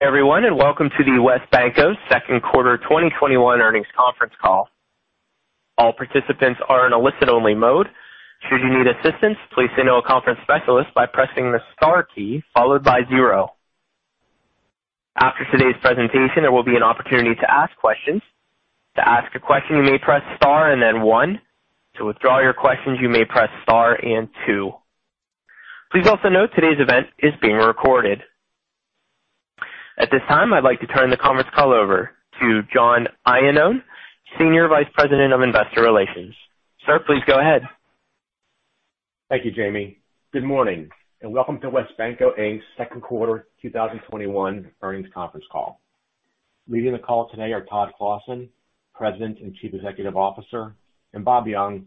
Everyone, and welcome to the WesBanco second quarter 2021 earnings conference call. All participants are on listen-only mode. Should you need assistance please signal the conference specialist by pressing the star key followed by zero. After today's presentation, there will be an opportunity to ask questions. To ask a question you need to press star and then one to withdraw your question you will need to press star and two. Please also note today's event is being recorded. At this time, I'd like to turn the conference call over to John Iannone, Senior Vice President of Investor Relations. Sir, please go ahead. Thank you, Jamie. Good morning, welcome to WesBanco Inc.'s second quarter 2021 earnings conference call. Leading the call today are Todd Clossin, President and Chief Executive Officer, Bob Young,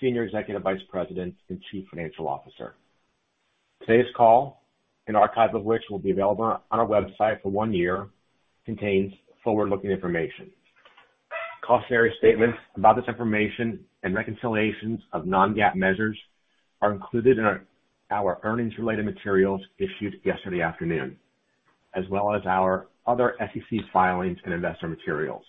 Senior Executive Vice President and Chief Financial Officer. Today's call, an archive of which will be available on our website for one year, contains forward-looking information. Cautionary statements about this information and reconciliations of non-GAAP measures are included in our earnings-related materials issued yesterday afternoon, as well as our other SEC filings and investor materials.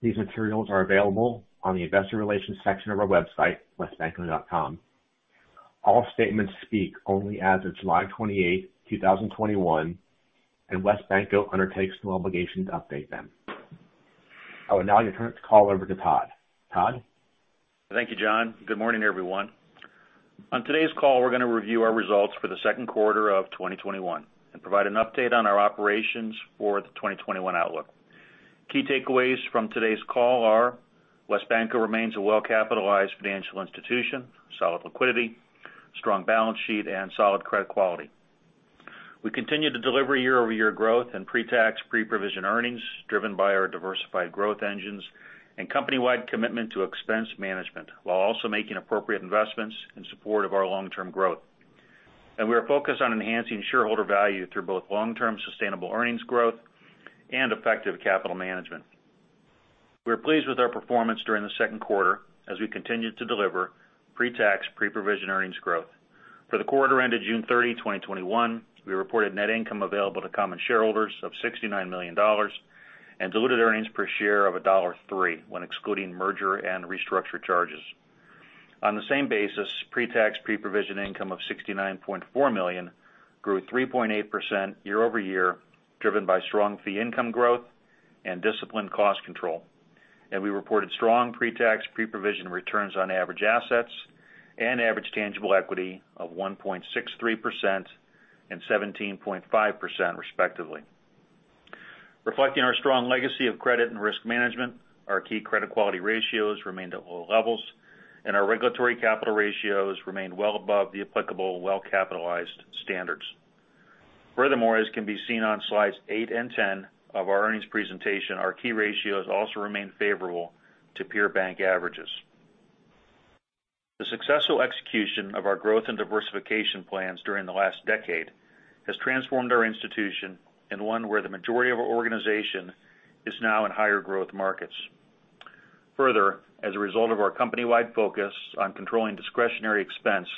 These materials are available on the investor relations section of our website, wesbanco.com. All statements speak only as of July 28th, 2021. WesBanco undertakes no obligation to update them. I will now turn the call over to Todd. Todd? Thank you, John. Good morning, everyone. On today's call, we're going to review our results for the second quarter of 2021 and provide an update on our operations for the 2021 outlook. Key takeaways from today's call are WesBanco remains a well-capitalized financial institution, solid liquidity, strong balance sheet, and solid credit quality. We continue to deliver year-over-year growth in pre-tax, pre-provision earnings driven by our diversified growth engines and company-wide commitment to expense management, while also making appropriate investments in support of our long-term growth. We are focused on enhancing shareholder value through both long-term sustainable earnings growth and effective capital management. We are pleased with our performance during the second quarter as we continue to deliver pre-tax, pre-provision earnings growth. For the quarter ended June 30, 2021, we reported net income available to common shareholders of $69 million and diluted earnings per share of $1.3 when excluding merger and restructure charges. On the same basis, pre-tax, pre-provision income of $69.4 million grew 3.8% year-over-year, driven by strong fee income growth and disciplined cost control. We reported strong pre-tax, pre-provision returns on average assets and average tangible equity of 1.63% and 17.5%, respectively. Reflecting our strong legacy of credit and risk management, our key credit quality ratios remained at low levels, and our regulatory capital ratios remained well above the applicable well-capitalized standards. Furthermore, as can be seen on slides eight and 10 of our earnings presentation, our key ratios also remain favorable to peer bank averages. The successful execution of our growth and diversification plans during the last decade has transformed our institution into one where the majority of our organization is now in higher growth markets. Further, as a result of our company-wide focus on controlling discretionary expense,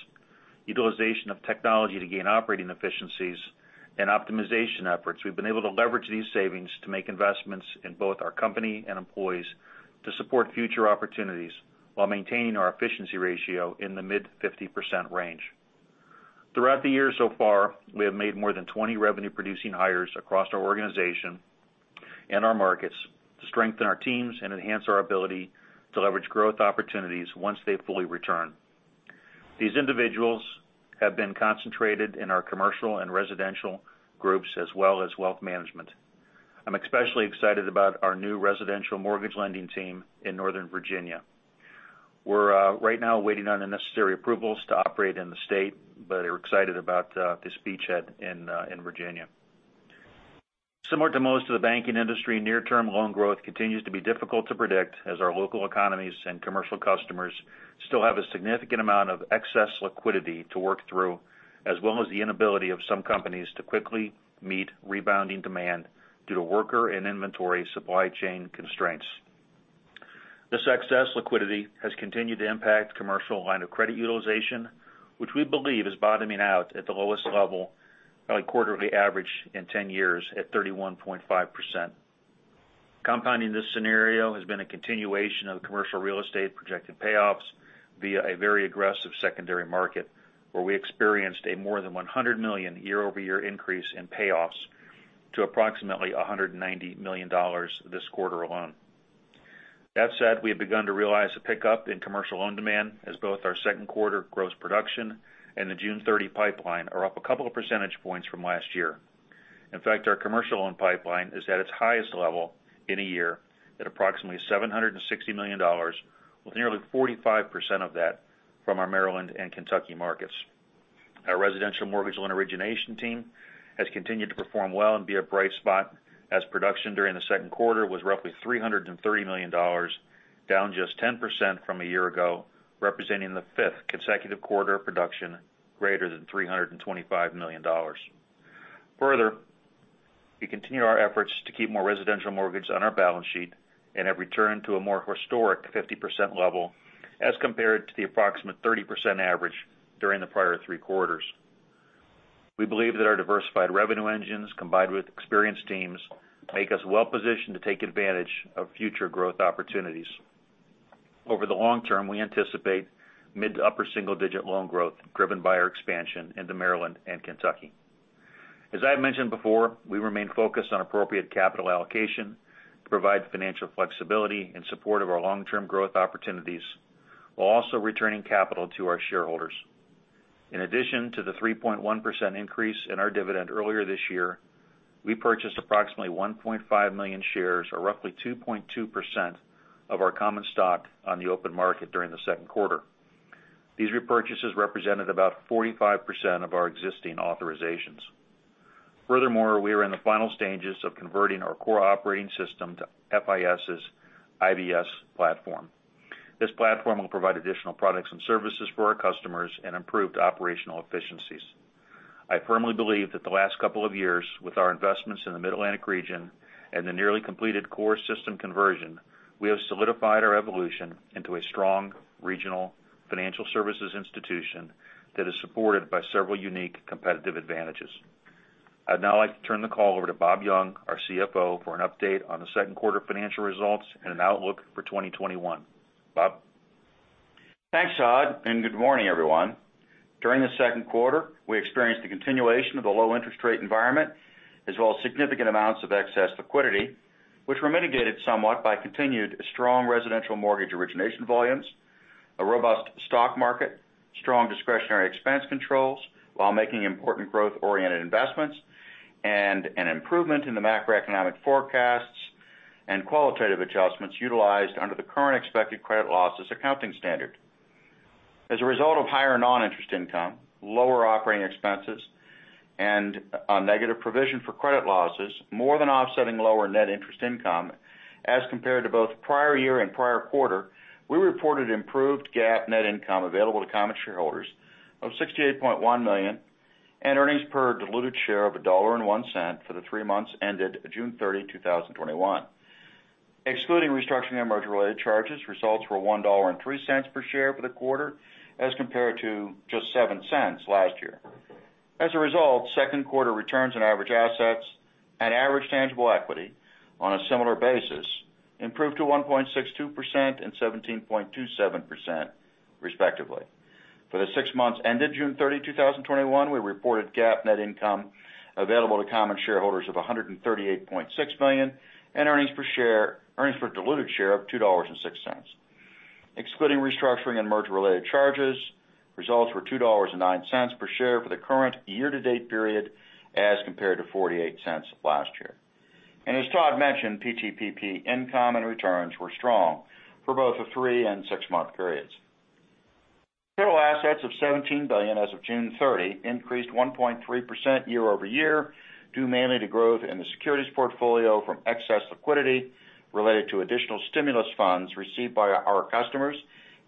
utilization of technology to gain operating efficiencies, and optimization efforts, we've been able to leverage these savings to make investments in both our company and employees to support future opportunities while maintaining our efficiency ratio in the mid-50% range. Throughout the year so far, we have made more than 20 revenue-producing hires across our organization and our markets to strengthen our teams and enhance our ability to leverage growth opportunities once they fully return. These individuals have been concentrated in our commercial and residential groups as well as wealth management. I'm especially excited about our new residential mortgage lending team in Northern Virginia. We're right now waiting on the necessary approvals to operate in the state. Are excited about this beachhead in Virginia. Similar to most of the banking industry, near-term loan growth continues to be difficult to predict as our local economies and commercial customers still have a significant amount of excess liquidity to work through, as well as the inability of some companies to quickly meet rebounding demand due to worker and inventory supply chain constraints. This excess liquidity has continued to impact commercial line of credit utilization, which we believe is bottoming out at the lowest level by quarterly average in 10 years at 31.5%. Compounding this scenario has been a continuation of commercial real estate projected payoffs via a very aggressive secondary market, where we experienced a more than $100 million year-over-year increase in payoffs to approximately $190 million this quarter alone. That said, we have begun to realize a pickup in commercial loan demand as both our second quarter gross production and the June 30 pipeline are up a couple of percentage points from last year. Our commercial loan pipeline is at its highest level in a year at approximately $760 million, with nearly 45% of that from our Maryland and Kentucky markets. Our residential mortgage loan origination team has continued to perform well and be a bright spot as production during the second quarter was roughly $330 million, down just 10% from a year ago, representing the fifth consecutive quarter of production greater than $325 million. We continue our efforts to keep more residential mortgage on our balance sheet and have returned to a more historic 50% level as compared to the approximate 30% average during the prior three quarters. We believe that our diversified revenue engines, combined with experienced teams, make us well-positioned to take advantage of future growth opportunities. Over the long term, we anticipate mid to upper single-digit loan growth driven by our expansion into Maryland and Kentucky. As I have mentioned before, we remain focused on appropriate capital allocation to provide financial flexibility in support of our long-term growth opportunities, while also returning capital to our shareholders. In addition to the 3.1% increase in our dividend earlier this year, we purchased approximately 1.5 million shares, or roughly 2.2% of our common stock, on the open market during the second quarter. These repurchases represented about 45% of our existing authorizations. Furthermore, we are in the final stages of converting our core operating system to FIS's IBS platform. This platform will provide additional products and services for our customers and improved operational efficiencies. I firmly believe that the last couple of years, with our investments in the Mid-Atlantic region and the nearly completed core system conversion, we have solidified our evolution into a strong regional financial services institution that is supported by several unique competitive advantages. I'd now like to turn the call over to Bob Young, our CFO, for an update on the second quarter financial results and an outlook for 2021. Bob? Thanks, Todd. Good morning, everyone. During the second quarter, we experienced the continuation of the low interest rate environment, as well as significant amounts of excess liquidity, which were mitigated somewhat by continued strong residential mortgage origination volumes, a robust stock market, strong discretionary expense controls while making important growth-oriented investments, and an improvement in the macroeconomic forecasts and qualitative adjustments utilized under the Current Expected Credit Losses accounting standard. As a result of higher non-interest income, lower operating expenses, and a negative provision for credit losses, more than offsetting lower net interest income as compared to both prior year and prior quarter, we reported improved GAAP net income available to common shareholders of $68.1 million and earnings per diluted share of $1.01 for the three months ended June 30, 2021. Excluding restructuring and merger-related charges, results were $1.03 per share for the quarter as compared to just $0.07 last year. As a result, second quarter returns on average assets and average tangible equity on a similar basis improved to 1.62% and 17.27% respectively. For the six months ended June 30, 2021, we reported GAAP net income available to common shareholders of $138.6 million and earnings per diluted share of $2.06. Excluding restructuring and merger-related charges, results were $2.09 per share for the current year-to-date period as compared to $0.48 last year. As Todd mentioned, PTPP income and returns were strong for both the three- and six-month periods. Total assets of $17 billion as of June 30 increased 1.3% year-over-year, due mainly to growth in the securities portfolio from excess liquidity related to additional stimulus funds received by our customers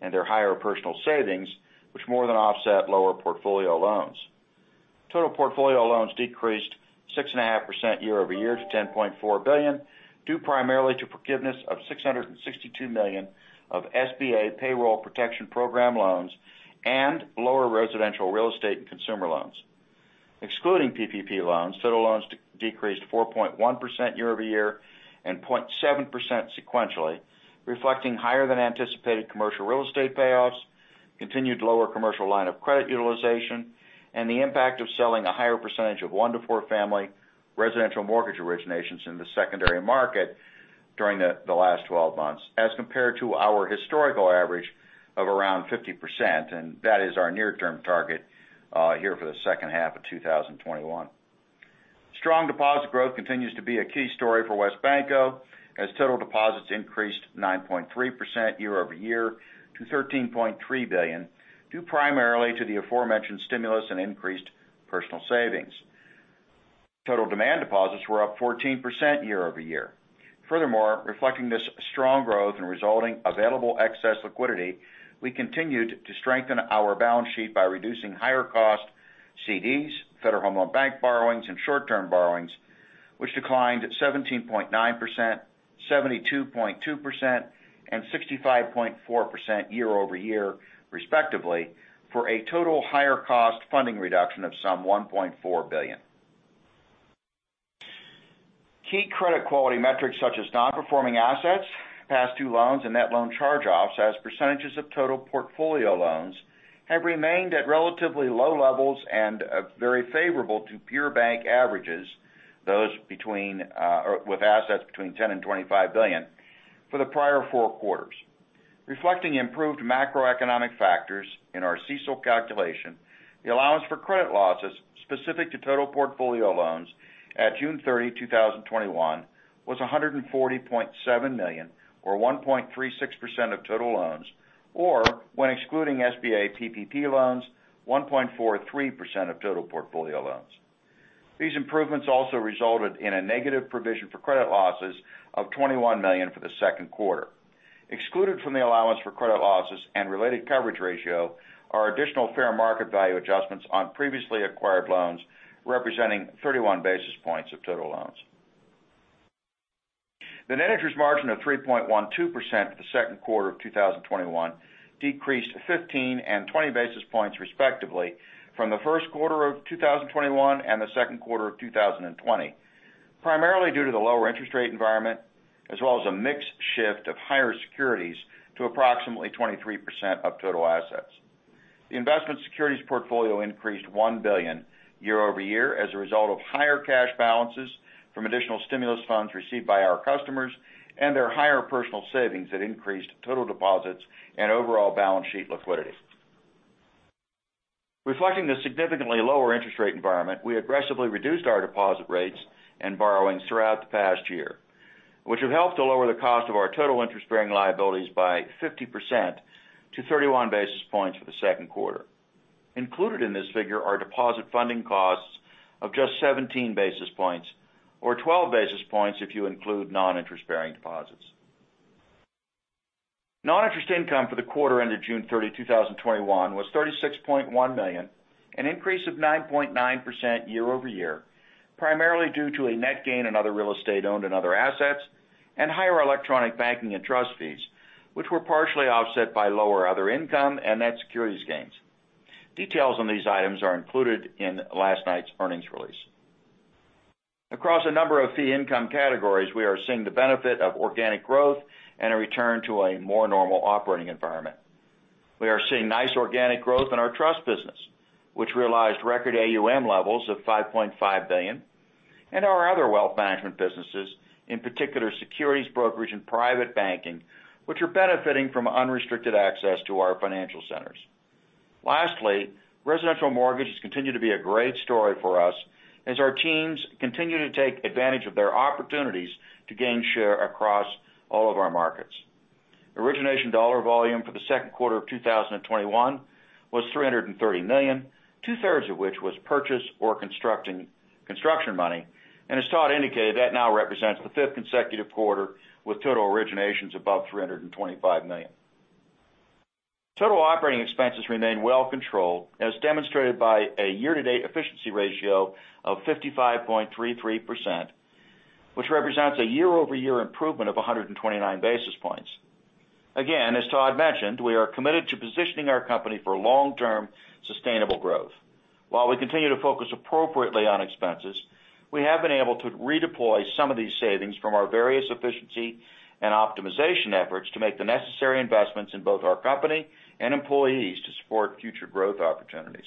and their higher personal savings, which more than offset lower portfolio loans. Total portfolio loans decreased 6.5% year-over-year to $10.4 billion, due primarily to forgiveness of $662 million of SBA Payroll Protection Program loans and lower residential real estate and consumer loans. Excluding PPP loans, total loans decreased 4.1% year-over-year and 0.7% sequentially, reflecting higher than anticipated commercial real estate payoffs, continued lower commercial line of credit utilization, and the impact of selling a higher percentage of one to four family residential mortgage originations in the secondary market during the last 12 months as compared to our historical average of around 50%. That is our near-term target here for the second half of 2021. Strong deposit growth continues to be a key story for WesBanco, as total deposits increased 9.3% year-over-year to $13.3 billion, due primarily to the aforementioned stimulus and increased personal savings. Total demand deposits were up 14% year-over-year. Furthermore, reflecting this strong growth and resulting available excess liquidity, we continued to strengthen our balance sheet by reducing higher cost CDs, Federal Home Loan Bank borrowings, and short-term borrowings, which declined 17.9%, 72.2%, and 65.4% year-over-year respectively, for a total higher cost funding reduction of some $1.4 billion. Key credit quality metrics such as non-performing assets, past due loans, and net loan charge-offs as percentages of total portfolio loans have remained at relatively low levels and very favorable to pure bank averages, those with assets between $10 billion and $25 billion, for the prior four quarters. Reflecting improved macroeconomic factors in our CECL calculation, the allowance for credit losses specific to total portfolio loans at June 30, 2021, was $140.7 million, or 1.36% of total loans, or when excluding SBA PPP loans, 1.43% of total portfolio loans. These improvements also resulted in a negative provision for credit losses of $21 million for the second quarter. Excluded from the allowance for credit losses and related coverage ratio are additional fair market value adjustments on previously acquired loans, representing 31 basis points of total loans. The net interest margin of 3.12% for the second quarter of 2021 decreased 15 and 20 basis points respectively from the first quarter of 2021 and the second quarter of 2020, primarily due to the lower interest rate environment, as well as a mix shift of higher securities to approximately 23% of total assets. The investment securities portfolio increased $1 billion year-over-year as a result of higher cash balances from additional stimulus funds received by our customers and their higher personal savings that increased total deposits and overall balance sheet liquidity. Reflecting the significantly lower interest rate environment, we aggressively reduced our deposit rates and borrowings throughout the past year, which have helped to lower the cost of our total interest-bearing liabilities by 50% to 31 basis points for the second quarter. Included in this figure are deposit funding costs of just 17 basis points, or 12 basis points if you include non-interest-bearing deposits. Non-interest income for the quarter ended June 30, 2021, was $36.1 million, an increase of 9.9% year-over-year, primarily due to a net gain in other real estate owned and other assets and higher electronic banking and trust fees, which were partially offset by lower other income and net securities gains. Details on these items are included in last night's earnings release. Across a number of fee income categories, we are seeing the benefit of organic growth and a return to a more normal operating environment. We are seeing nice organic growth in our trust business, which realized record AUM levels of $5.5 billion, and our other wealth management businesses, in particular, securities brokerage and private banking, which are benefiting from unrestricted access to our financial centers. Lastly, residential mortgages continue to be a great story for us as our teams continue to take advantage of their opportunities to gain share across all of our markets. Origination dollar volume for the second quarter of 2021 was $330 million, 2/3 of which was purchase or construction money, and as Todd indicated, that now represents the fifth consecutive quarter with total originations above $325 million. Total operating expenses remain well controlled, as demonstrated by a year-to-date efficiency ratio of 55.33%, which represents a year-over-year improvement of 129 basis points. Again, as Todd mentioned, we are committed to positioning our company for long-term sustainable growth. While we continue to focus appropriately on expenses, we have been able to redeploy some of these savings from our various efficiency and optimization efforts to make the necessary investments in both our company and employees to support future growth opportunities.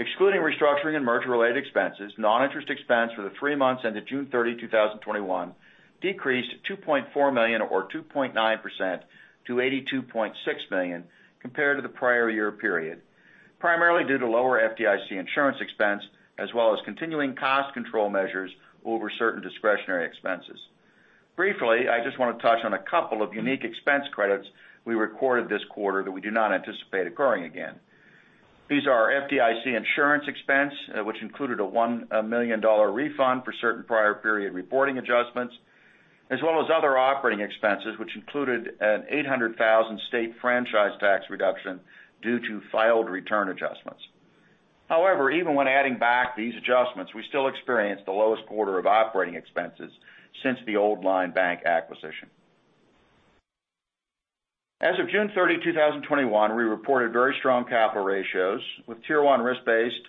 Excluding restructuring and merger-related expenses, non-interest expense for the three months ended June 30, 2021, decreased to $2.4 million or 2.9% to $82.6 million compared to the prior year period, primarily due to lower FDIC insurance expense as well as continuing cost control measures over certain discretionary expenses. Briefly, I just want to touch on a couple of unique expense credits we recorded this quarter that we do not anticipate occurring again. These are our FDIC insurance expense, which included a $1 million refund for certain prior period reporting adjustments, as well as other operating expenses, which included an $800,000 state franchise tax reduction due to filed return adjustments. However, even when adding back these adjustments, we still experienced the lowest quarter of operating expenses since the Old Line Bank acquisition. As of June 30, 2021, we reported very strong capital ratios with Tier 1 risk-based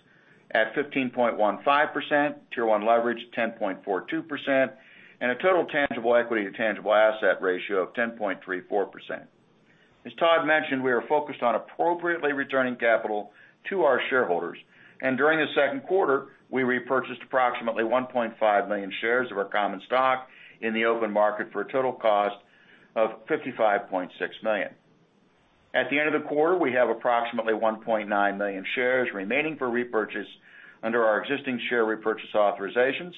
at 15.15%, Tier 1 leverage, 10.42%, and a total tangible equity to tangible asset ratio of 10.34%. As Todd mentioned, we are focused on appropriately returning capital to our shareholders. During the second quarter, we repurchased approximately 1.5 million shares of our common stock in the open market for a total cost of $55.6 million. At the end of the quarter, we have approximately 1.9 million shares remaining for repurchase under our existing share repurchase authorizations.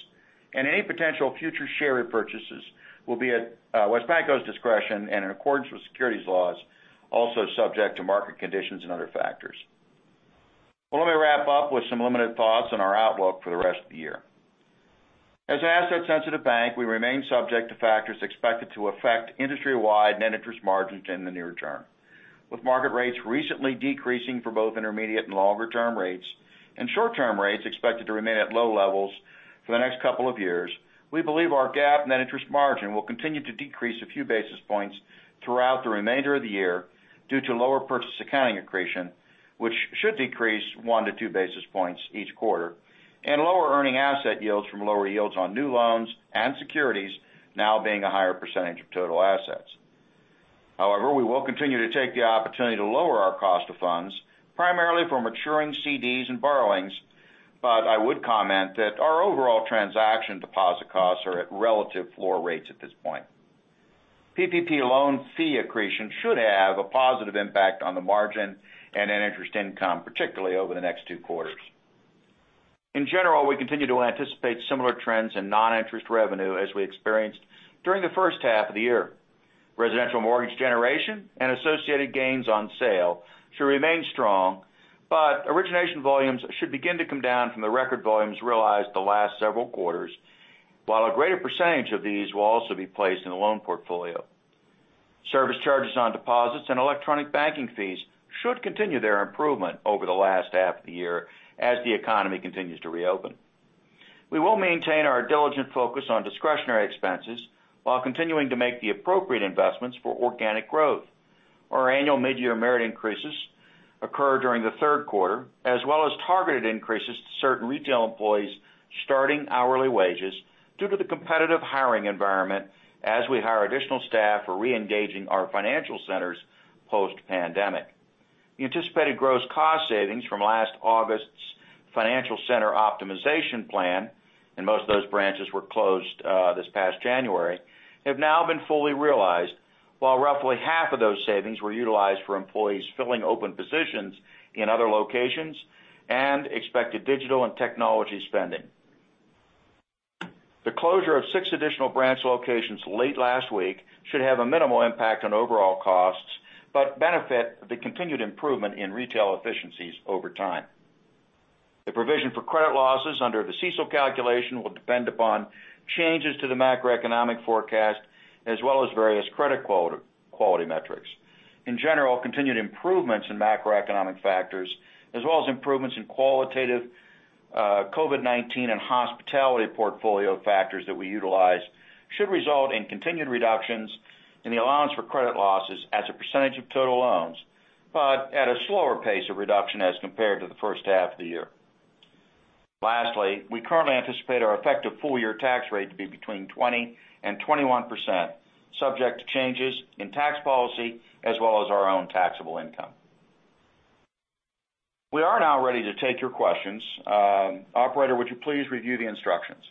Any potential future share repurchases will be at WesBanco's discretion and in accordance with securities laws, also subject to market conditions and other factors. Well, let me wrap up with some limited thoughts on our outlook for the rest of the year. As an asset-sensitive bank, we remain subject to factors expected to affect industry-wide net interest margins in the near term. With market rates recently decreasing for both intermediate and longer-term rates and short-term rates expected to remain at low levels for the next couple of years, we believe our GAAP net interest margin will continue to decrease a few basis points throughout the remainder of the year due to lower purchase accounting accretion, which should decrease 1 to 2 basis points each quarter, and lower earning asset yields from lower yields on new loans and securities now being a higher percentage of total assets. However, we will continue to take the opportunity to lower our cost of funds, primarily for maturing CDs and borrowings. I would comment that our overall transaction deposit costs are at relative floor rates at this point. PPP loan fee accretion should have a positive impact on the margin and net interest income, particularly over the next two quarters. In general, we continue to anticipate similar trends in non-interest revenue as we experienced during the first half of the year. Residential mortgage generation and associated gains on sale should remain strong. Origination volumes should begin to come down from the record volumes realized the last several quarters, while a greater percentage of these will also be placed in the loan portfolio. Service charges on deposits and electronic banking fees should continue their improvement over the last half of the year as the economy continues to reopen. We will maintain our diligent focus on discretionary expenses while continuing to make the appropriate investments for organic growth. Our annual mid-year merit increases occur during the third quarter, as well as targeted increases to certain retail employees' starting hourly wages due to the competitive hiring environment as we hire additional staff for reengaging our financial centers post-pandemic. The anticipated gross cost savings from last August's financial center optimization plan, and most of those branches were closed this past January, have now been fully realized, while roughly half of those savings were utilized for employees filling open positions in other locations and expected digital and technology spending. The closure of six additional branch locations late last week should have a minimal impact on overall costs but benefit the continued improvement in retail efficiencies over time. The provision for credit losses under the CECL calculation will depend upon changes to the macroeconomic forecast as well as various credit quality metrics. In general, continued improvements in macroeconomic factors as well as improvements in qualitative COVID-19 and hospitality portfolio factors that we utilize should result in continued reductions in the allowance for credit losses as a percentage of total loans, but at a slower pace of reduction as compared to the first half of the year. Lastly, we currently anticipate our effective full-year tax rate to be between 20% and 21%, subject to changes in tax policy as well as our own taxable income. We are now ready to take your questions. Operator, would you please review the instructions?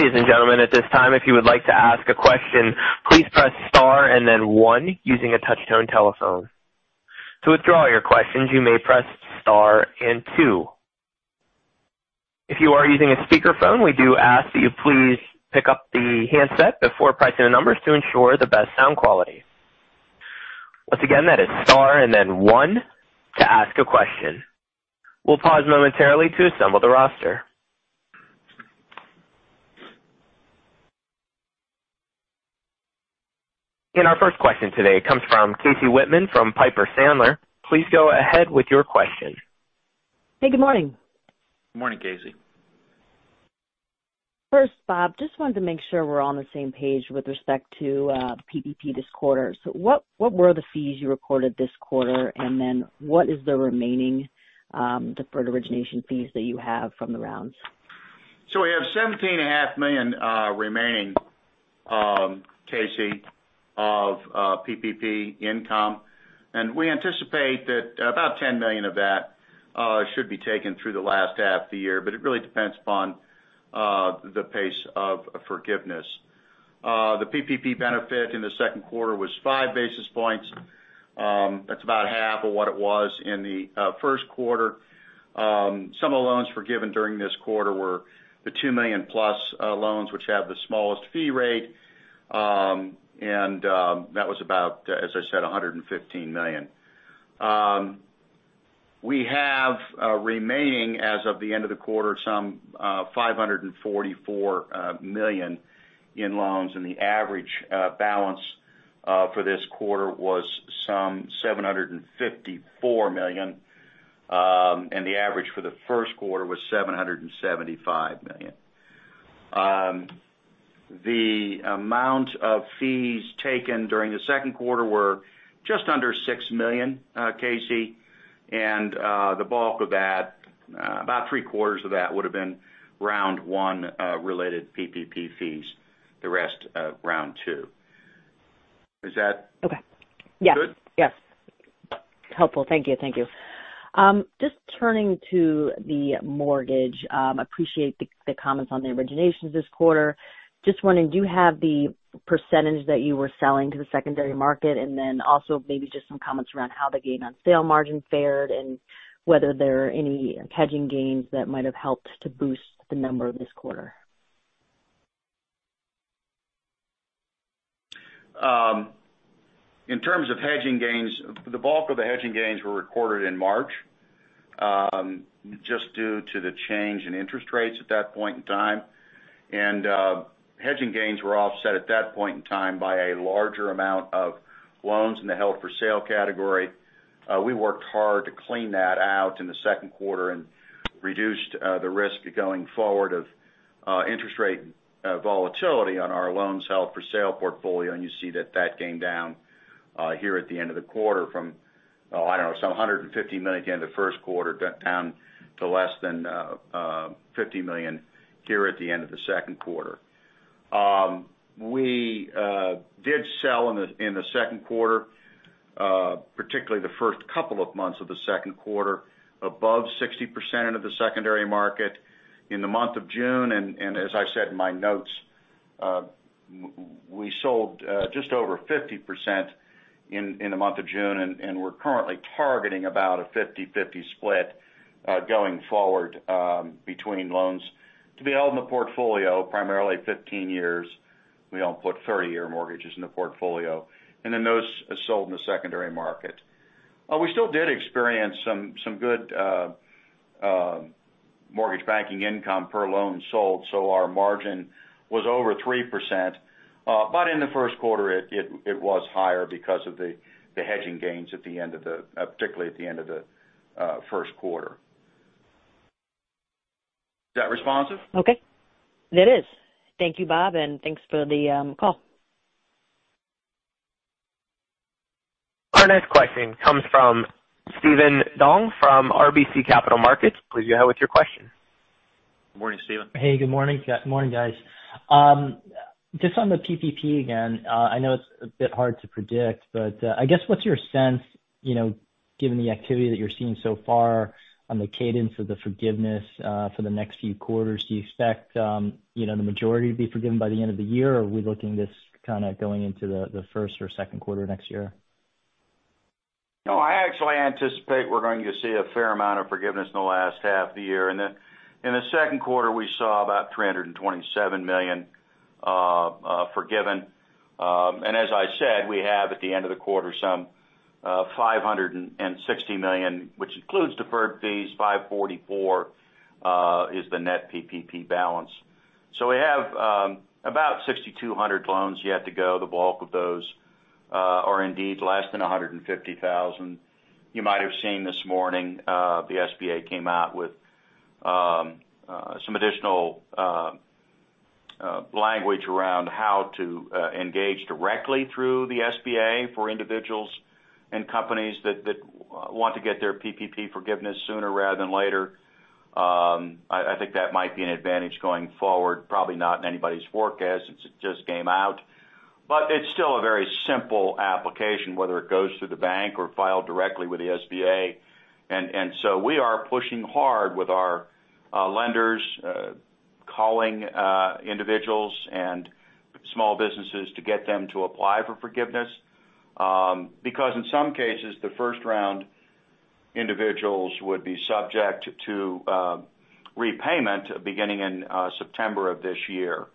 Ladies and gentleman, it is time. If you would like to ask a question please press star and then one using a touch-tone telephone. To withdraw your question you may press star and two. If you are using a speakerphone, we do ask to please pick up the handset before pressing the numbers to ensure the best sound quality. Once again that is star and then one to ask a question. We will pause momentarily to assemble the roster. Our first question today comes from Casey Whitman from Piper Sandler. Please go ahead with your question. Hey, good morning. Good morning, Casey. Bob, I just wanted to make sure we're on the same page with respect to PPP this quarter. What were the fees you recorded this quarter, and then what is the remaining deferred origination fees that you have from the rounds? We have $17.5 million remaining, Casey, of PPP income, and we anticipate that about $10 million of that should be taken through the last half of the year. It really depends upon the pace of forgiveness. The PPP benefit in the second quarter was five basis points. That's about half of what it was in the first quarter. Some of the loans forgiven during this quarter were the $2 million-plus loans, which have the smallest fee rate, and that was about, as I said, $115 million. We have remaining, as of the end of the quarter, some $544 million in loans, and the average balance for this quarter was some $754 million, and the average for the first quarter was $775 million. The amount of fees taken during the second quarter were just under $6 million, Casey. The bulk of that, about three-quarters of that would've been round one related PPP fees. The rest, round two. Is that good? Okay. Yes. Helpful. Thank you. Just turning to the mortgage. Appreciate the comments on the originations this quarter. Just wondering, do you have the percentage that you were selling to the secondary market? Also maybe just some comments around how the gain on sale margin fared and whether there are any hedging gains that might have helped to boost the number this quarter. In terms of hedging gains, the bulk of the hedging gains were recorded in March, just due to the change in interest rates at that point in time. Hedging gains were offset at that point in time by a larger amount of loans in the held for sale category. We worked hard to clean that out in the second quarter and reduced the risk going forward of interest rate volatility on our loans held for sale portfolio, and you see that that came down here at the end of the quarter from, oh, I don't know, some $150 million at the end of the first quarter, went down to less than $50 million here at the end of the second quarter. We did sell in the second quarter, particularly the first couple of months of the second quarter, above 60% into the secondary market. In the month of June, and as I said in my notes, we sold just over 50% in the month of June, and we're currently targeting about a 50/50 split going forward between loans to be held in the portfolio, primarily 15 years. We don't put 30-year mortgages in the portfolio. Those are sold in the secondary market. We still did experience some good mortgage banking income per loan sold, our margin was over 3%. In the first quarter, it was higher because of the hedging gains, particularly at the end of the first quarter. Is that responsive? Okay. It is. Thank you, Bob. Thanks for the call. Our next question comes from Steven Duong from RBC Capital Markets. Please go ahead with your question. Morning, Steven. Hey, good morning, guys. Just on the PPP, again, I know it's a bit hard to predict, but I guess what's your sense, given the activity that you're seeing so far on the cadence of the forgiveness for the next few quarters, do you expect the majority to be forgiven by the end of the year? Are we looking this kind of going into the first or second quarter of next year? I actually anticipate we're going to see a fair amount of forgiveness in the last half of the year. In the second quarter, we saw about $327 million forgiven. As I said, we have, at the end of the quarter, some $560 million, which includes deferred fees, $544 is the net PPP balance. We have about 6,200 loans yet to go. The bulk of those are indeed less than 150,000. You might have seen this morning, the SBA came out with some additional language around how to engage directly through the SBA for individuals and companies that want to get their PPP forgiveness sooner rather than later. I think that might be an advantage going forward. Probably not in anybody's forecast since it just came out. It's still a very simple application, whether it goes through the bank or filed directly with the SBA. We are pushing hard with our lenders, calling individuals and small businesses to get them to apply for forgiveness. In some cases, the first-round individuals would be subject to repayment beginning in September of this year.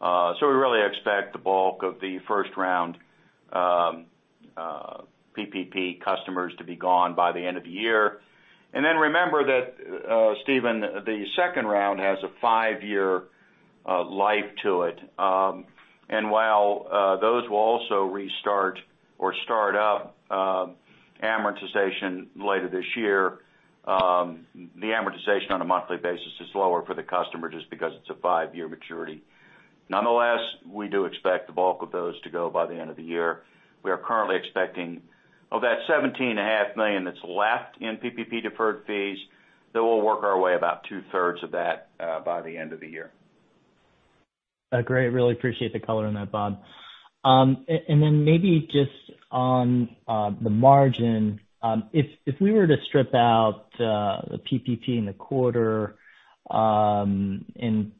We really expect the bulk of the first-round PPP customers to be gone by the end of the year. Remember that, Steven, the second round has a five-year life to it. While those will also restart or start up amortization later this year, the amortization on a monthly basis is lower for the customer just because it's a five-year maturity. We do expect the bulk of those to go by the end of the year. We are currently expecting, of that $17.5 million that's left in PPP deferred fees, that we'll work our way about 2/3 of that by the end of the year. Great. Really appreciate the color on that, Bob. Maybe just on the margin. If we were to strip out the PPP in the quarter, and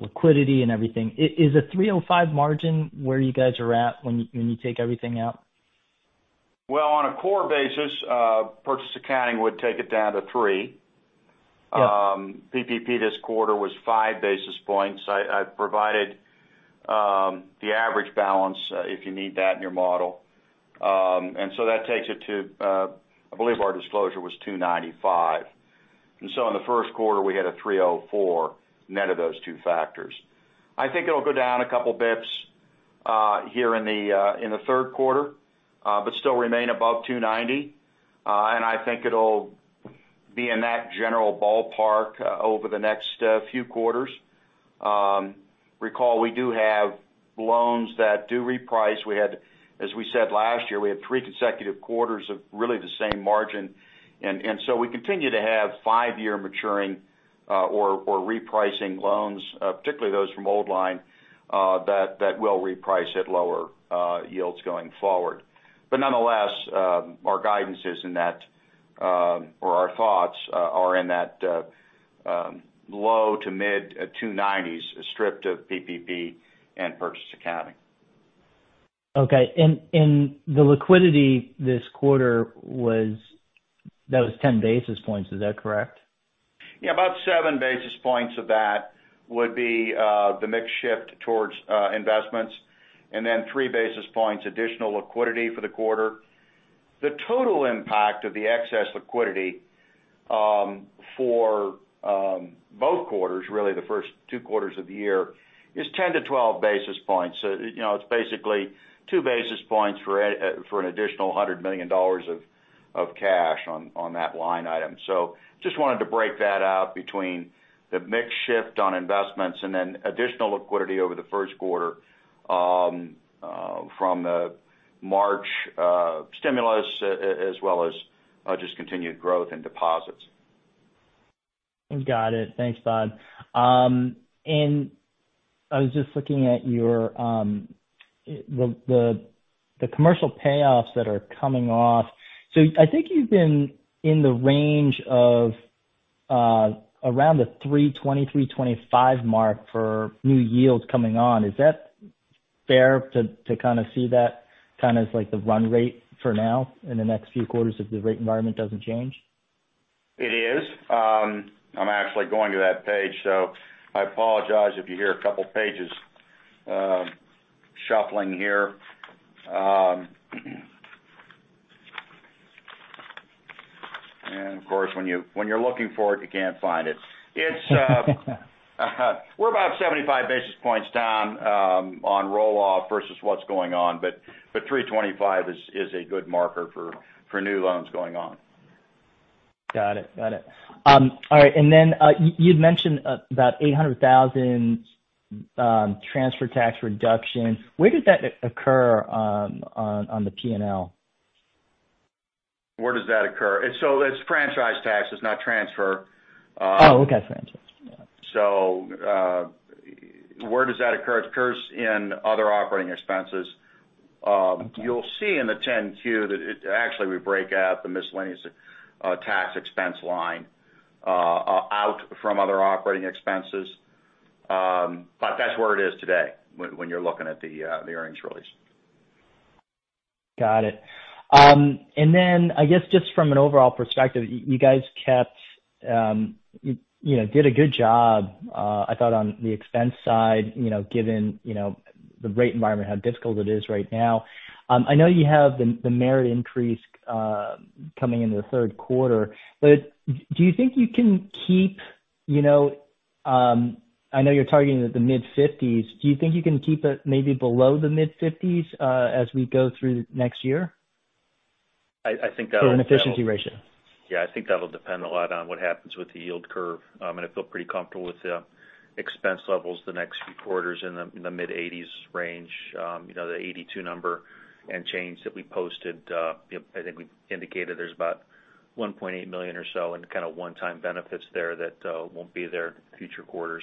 liquidity and everything, is a 305 margin where you guys are at when you take everything out? Well, on a core basis, purchase accounting would take it down to three. Yeah. PPP this quarter was 5 basis points. I provided the average balance, if you need that in your model. That takes it to, I believe our disclosure was 295. In the first quarter, we had a 304 net of those two factors. I think it'll go down a couple basis points here in the third quarter but still remain above 290. I think it'll be in that general ballpark over the next few quarters. Recall, we do have loans that do reprice. As we said last year, we had three consecutive quarters of really the same margin. We continue to have five-year maturing or repricing loans, particularly those from Old Line, that will reprice at lower yields going forward. Nonetheless, our guidance is in that or our thoughts are in that low to mid-290s, stripped of PPP and purchase accounting. Okay. The liquidity this quarter, that was 10 basis points, is that correct? Yeah. About 7 basis points of that would be the mix shift towards investments and then 3 basis points additional liquidity for the quarter. The total impact of the excess liquidity for both quarters, really the first two quarters of the year, is 10 to 12 basis points. It's basically 2 basis points for an additional $100 million of cash on that line item. I just wanted to break that out between the mix shift on investments and then additional liquidity over the first quarter from the March stimulus, as well as just continued growth in deposits. Got it. Thanks Bob. I was just looking at the commercial payoffs that are coming off. I think you've been in the range of around the 320, 325 mark for new yields coming on. Is that fair to kind of see that kind of as like the run rate for now in the next few quarters if the rate environment doesn't change? It is. I'm actually going to that page, so I apologize if you hear a couple pages shuffling here. Of course, when you're looking for it, you can't find it. We're about 75 basis points down on roll-off versus what's going on. 325 is a good marker for new loans going on. Got it. All right. Then you'd mentioned about $800,000 transfer tax reduction. Where did that occur on the P&L? Where does that occur? It's franchise taxes, not transfer. Oh, okay. Franchise. Where does that occur? It occurs in other operating expenses. Okay. You'll see in the 10-Q that actually we break out the miscellaneous tax expense line out from other operating expenses. That's where it is today when you're looking at the earnings release. Got it. I guess just from an overall perspective, you guys did a good job I thought on the expense side given the rate environment, how difficult it is right now. I know you have the merit increase coming into the third quarter. I know you're targeting at the mid-50s. Do you think you can keep it maybe below the mid-50s as we go through next year? I think that'll- For an efficiency ratio. Yeah, I think that'll depend a lot on what happens with the yield curve. I feel pretty comfortable with the expense levels the next few quarters in the mid-80s range. The 82 number and change that we posted, I think we indicated there's about $1.8 million or so in kind of one-time benefits there that won't be there future quarters.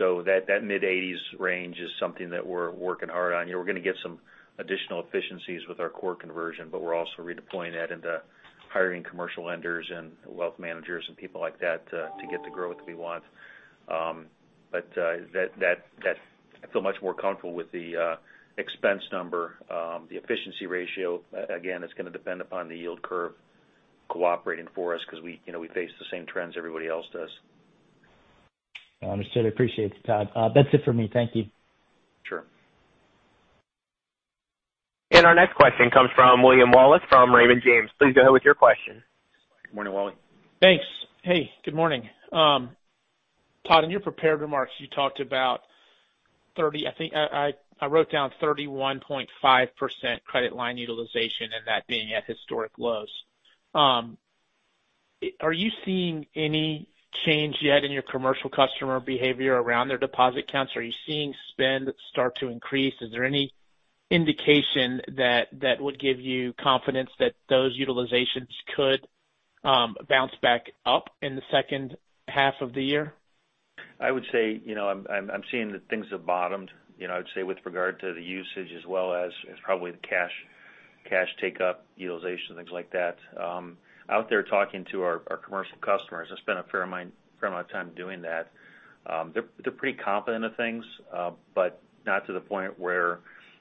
That mid-80s range is something that we're working hard on. We're going to get some additional efficiencies with our core conversion, but we're also redeploying that into hiring commercial lenders and wealth managers and people like that to get the growth we want. I feel much more comfortable with the expense number. The efficiency ratio, again, it's going to depend upon the yield curve cooperating for us because we face the same trends everybody else does. Understood. Appreciate it, Todd. That's it for me. Thank you. Sure. Our next question comes from William Wallace from Raymond James. Please go ahead with your question. Good morning, Wally. Thanks. Hey, good morning. Todd, in your prepared remarks, you talked about 30%, I think I wrote down 31.5% credit line utilization and that being at historic lows. Are you seeing any change yet in your commercial customer behavior around their deposit accounts? Are you seeing spend start to increase? Is there any indication that would give you confidence that those utilizations could bounce back up in the second half of the year? I would say, I'm seeing that things have bottomed. I would say with regard to the usage as well as probably the cash take-up utilization and things like that. Out there talking to our commercial customers, I spend a fair amount of time doing that. They're pretty confident of things, not to the point where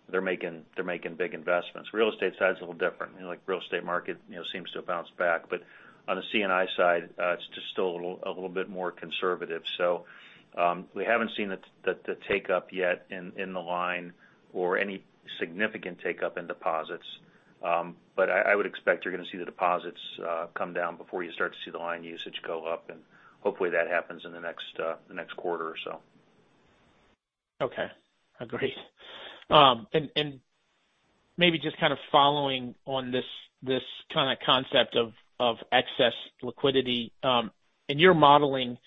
they're making big investments. Real estate side's a little different. Real estate market seems to have bounced back, on the C&C side, it's just still a little bit more conservative. We haven't seen the take-up yet in the line or any significant take-up in deposits. I would expect you're going to see the deposits come down before you start to see the line usage go up, and hopefully that happens in the next quarter or so. Okay. Agreed. Maybe just kind of following on this kind of concept of excess liquidity. In your modeling,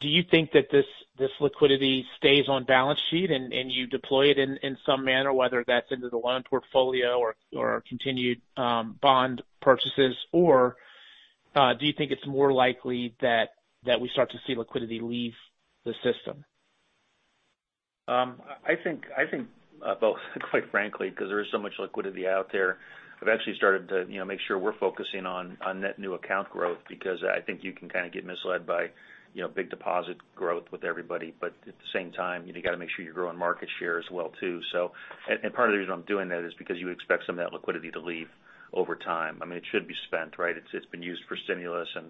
do you think that this liquidity stays on balance sheet and you deploy it in some manner, whether that's into the loan portfolio or continued bond purchases, or do you think it's more likely that we start to see liquidity leave the system? I think both quite frankly, because there is so much liquidity out there. I've actually started to make sure we're focusing on net new account growth because I think you can kind of get misled by big deposit growth with everybody. At the same time, you got to make sure you're growing market share as well too. Part of the reason I'm doing that is because you would expect some of that liquidity to leave over time. I mean, it should be spent, right? It's been used for stimulus and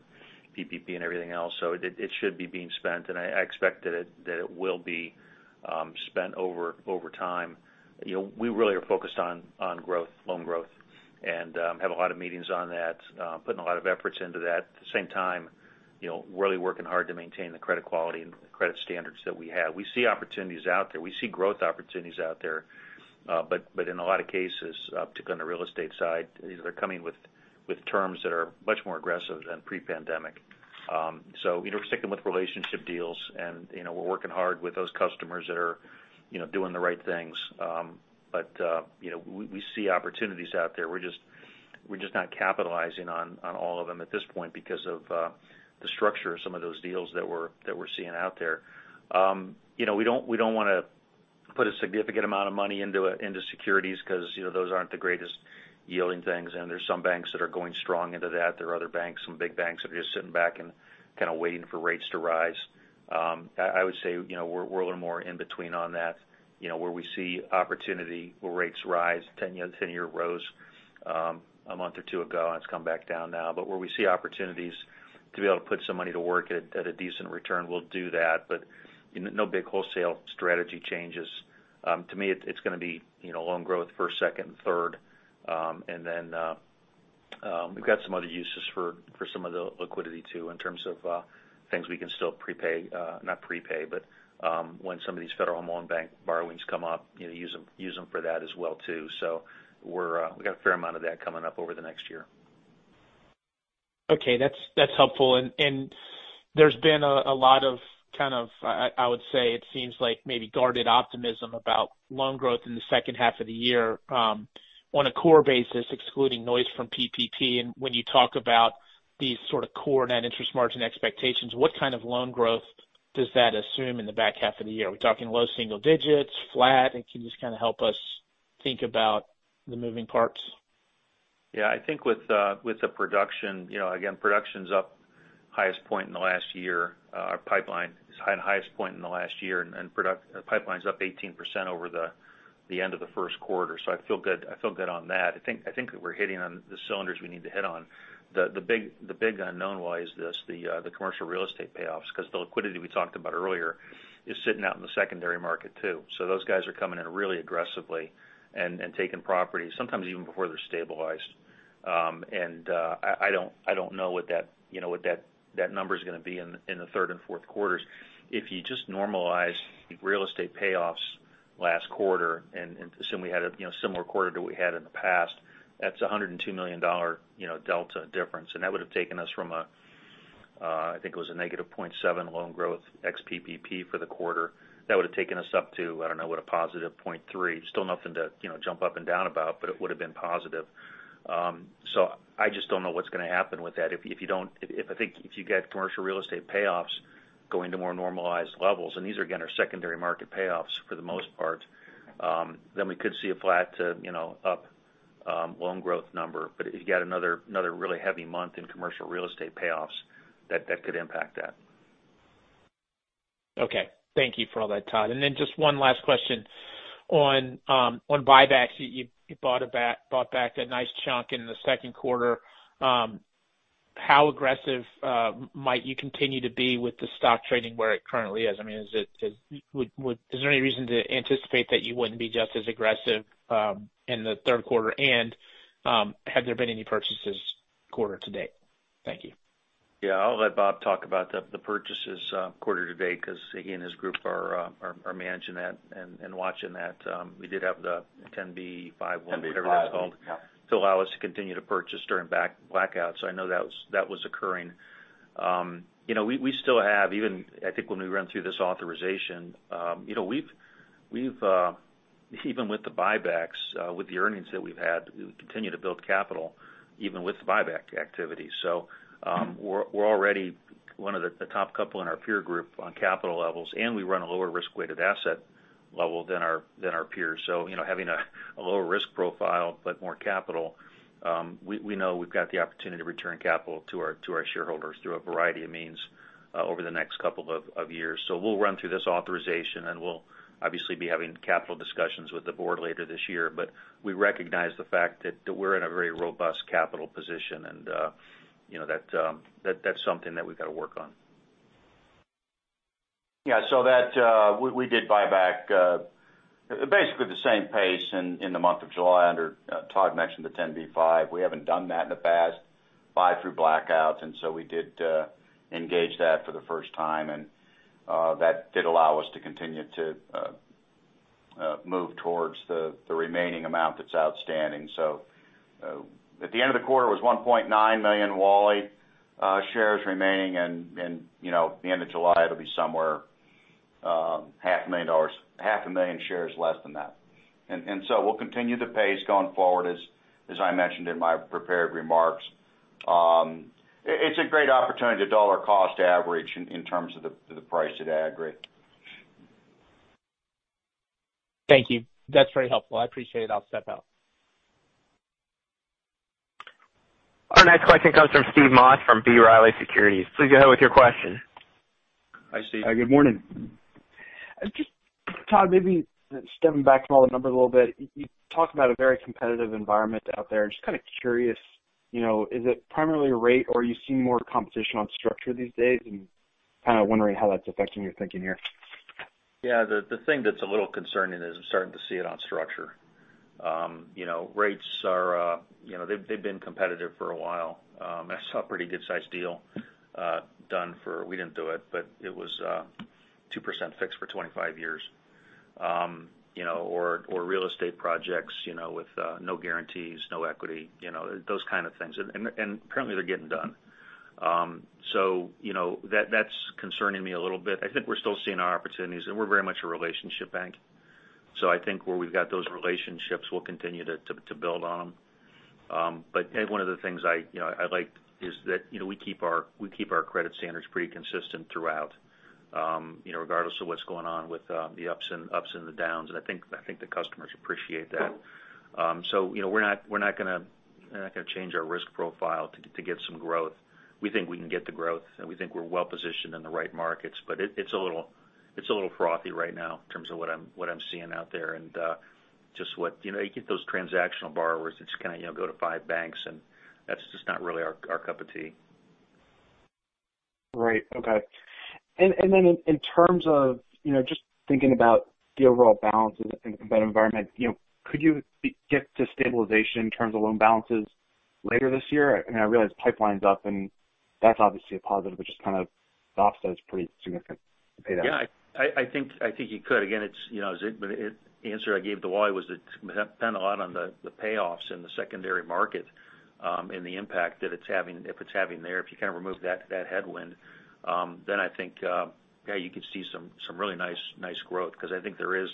PPP and everything else. It should be being spent, and I expect that it will be spent over time. We really are focused on loan growth and have a lot of meetings on that, putting a lot of efforts into that. At the same time really working hard to maintain the credit quality and credit standards that we have. We see opportunities out there. We see growth opportunities out there. In a lot of cases, particularly on the real estate side, they're coming with terms that are much more aggressive than pre-pandemic. We're sticking with relationship deals, and we're working hard with those customers that are doing the right things. We see opportunities out there. We're just not capitalizing on all of them at this point because of the structure of some of those deals that we're seeing out there. We don't want to put a significant amount of money into securities because those aren't the greatest yielding things, and there's some banks that are going strong into that. There are other banks, some big banks, that are just sitting back and kind of waiting for rates to rise. I would say, we're a little more in between on that, where we see opportunity where rates rise. 10-year rose a month or two ago, and it's come back down now. Where we see opportunities to be able to put some money to work at a decent return, we'll do that. No big wholesale strategy changes. To me, it's going to be loan growth first, second, third. We've got some other uses for some of the liquidity too, in terms of things we can still prepay, not prepay, but when some of these Federal Home Loan Bank borrowings come up, use them for that as well too. We got a fair amount of that coming up over the next year. Okay. That's helpful. There's been a lot of, I would say, it seems like maybe guarded optimism about loan growth in the second half of the year. On a core basis, excluding noise from PPP, and when you talk about these sort of core net interest margin expectations, what kind of loan growth does that assume in the back half of the year? Are we talking low single digits, flat? Can you just kind of help us think about the moving parts? Yeah. I think with the production, again, production's up highest point in the last year. Our pipeline is at highest point in the last year. Pipeline's up 18% over the end of the first quarter. I feel good on that. I think that we're hitting on the cylinders we need to hit on. The big unknown was this, the commercial real estate payoffs, because the liquidity we talked about earlier is sitting out in the secondary market too. Those guys are coming in really aggressively and taking properties, sometimes even before they're stabilized. I don't know what that number's going to be in the third and fourth quarters. If you just normalize real estate payoffs last quarter and assume we had a similar quarter that we had in the past, that's a $102 million delta difference. That would have taken us from a, I think it was a -0.7% loan growth ex PPP for the quarter. That would have taken us up to, I don't know, a +0.3%. Still nothing to jump up and down about, but it would have been positive. I just don't know what's going to happen with that. I think if you get commercial real estate payoffs going to more normalized levels, and these are again, are secondary market payoffs for the most part, then we could see a flat to up loan growth number. If you got another really heavy month in commercial real estate payoffs, that could impact that. Okay. Thank you for all that, Todd. Then just one last question. On buybacks, you bought back a nice chunk in the second quarter. How aggressive might you continue to be with the stock trading where it currently is? I mean, is there any reason to anticipate that you wouldn't be just as aggressive in the third quarter? Have there been any purchases quarter to date? Thank you. Yeah. I'll let Bob talk about the purchases quarter to date because he and his group are managing that and watching that. We did have the Rule 10b5-1- Rule 10b5-1. Whatever it's called, to allow us to continue to purchase during blackout. I know that was occurring. We still have, even I think when we run through this authorization, even with the buybacks, with the earnings that we've had, we continue to build capital even with the buyback activity. We're already one of the top two in our peer group on capital levels, and we run a lower risk-weighted asset level than our peers. Having a lower risk profile, but more capital, we know we've got the opportunity to return capital to our shareholders through a variety of means over the next couple of years. We'll run through this authorization, and we'll obviously be having capital discussions with the board later this year. We recognize the fact that we're in a very robust capital position and that's something that we've got to work on. Yeah. We did buy back basically the same pace in the month of July under, Todd mentioned the 10b5-1. We haven't done that in the past, buy through blackouts. We did engage that for the first time, and that did allow us to continue to move towards the remaining amount that's outstanding. At the end of the quarter, it was $1.9 million Wally shares remaining and at the end of July, it'll be somewhere half a million shares less than that. We'll continue the pace going forward as I mentioned in my prepared remarks. It's a great opportunity to dollar cost average in terms of the price at aggregate. Thank you. That's very helpful. I appreciate it. I'll step out. Our next question comes from Steve Moss from B. Riley Securities. Please go ahead with your question. Hi, Steve. Hi, good morning. Just Todd, maybe stepping back from all the numbers a little bit, you talked about a very competitive environment out there. I'm just kind of curious, is it primarily rate or are you seeing more competition on structure these days? Kind of wondering how that's affecting your thinking here? The thing that's a little concerning is I'm starting to see it on structure. Rates, they've been competitive for a while. I saw a pretty good sized deal done for-- we didn't do it, but it was 2% fixed for 25 years. Real estate projects with no guarantees, no equity, those kind of things. Currently they're getting done. That's concerning me a little bit. I think we're still seeing our opportunities and we're very much a relationship bank. I think where we've got those relationships, we'll continue to build on them. One of the things I liked is that we keep our credit standards pretty consistent throughout, regardless of what's going on with the ups and the downs, and I think the customers appreciate that. We're not going to change our risk profile to get some growth. We think we can get the growth, and we think we're well-positioned in the right markets. It's a little frothy right now in terms of what I'm seeing out there, and you get those transactional borrowers that just go to five banks, and that's just not really our cup of tea. Right. Okay. Then in terms of just thinking about the overall balances and thinking about environment, could you get to stabilization in terms of loan balances later this year? I realize pipeline's up and that's obviously a positive, just kind of the offset is pretty significant to pay down. Yeah. I think you could. Again, the answer I gave to Wally was that it's going to depend a lot on the payoffs in the secondary market, and the impact if it's having there. If you kind of remove that headwind, I think, yeah, you could see some really nice growth because I think there is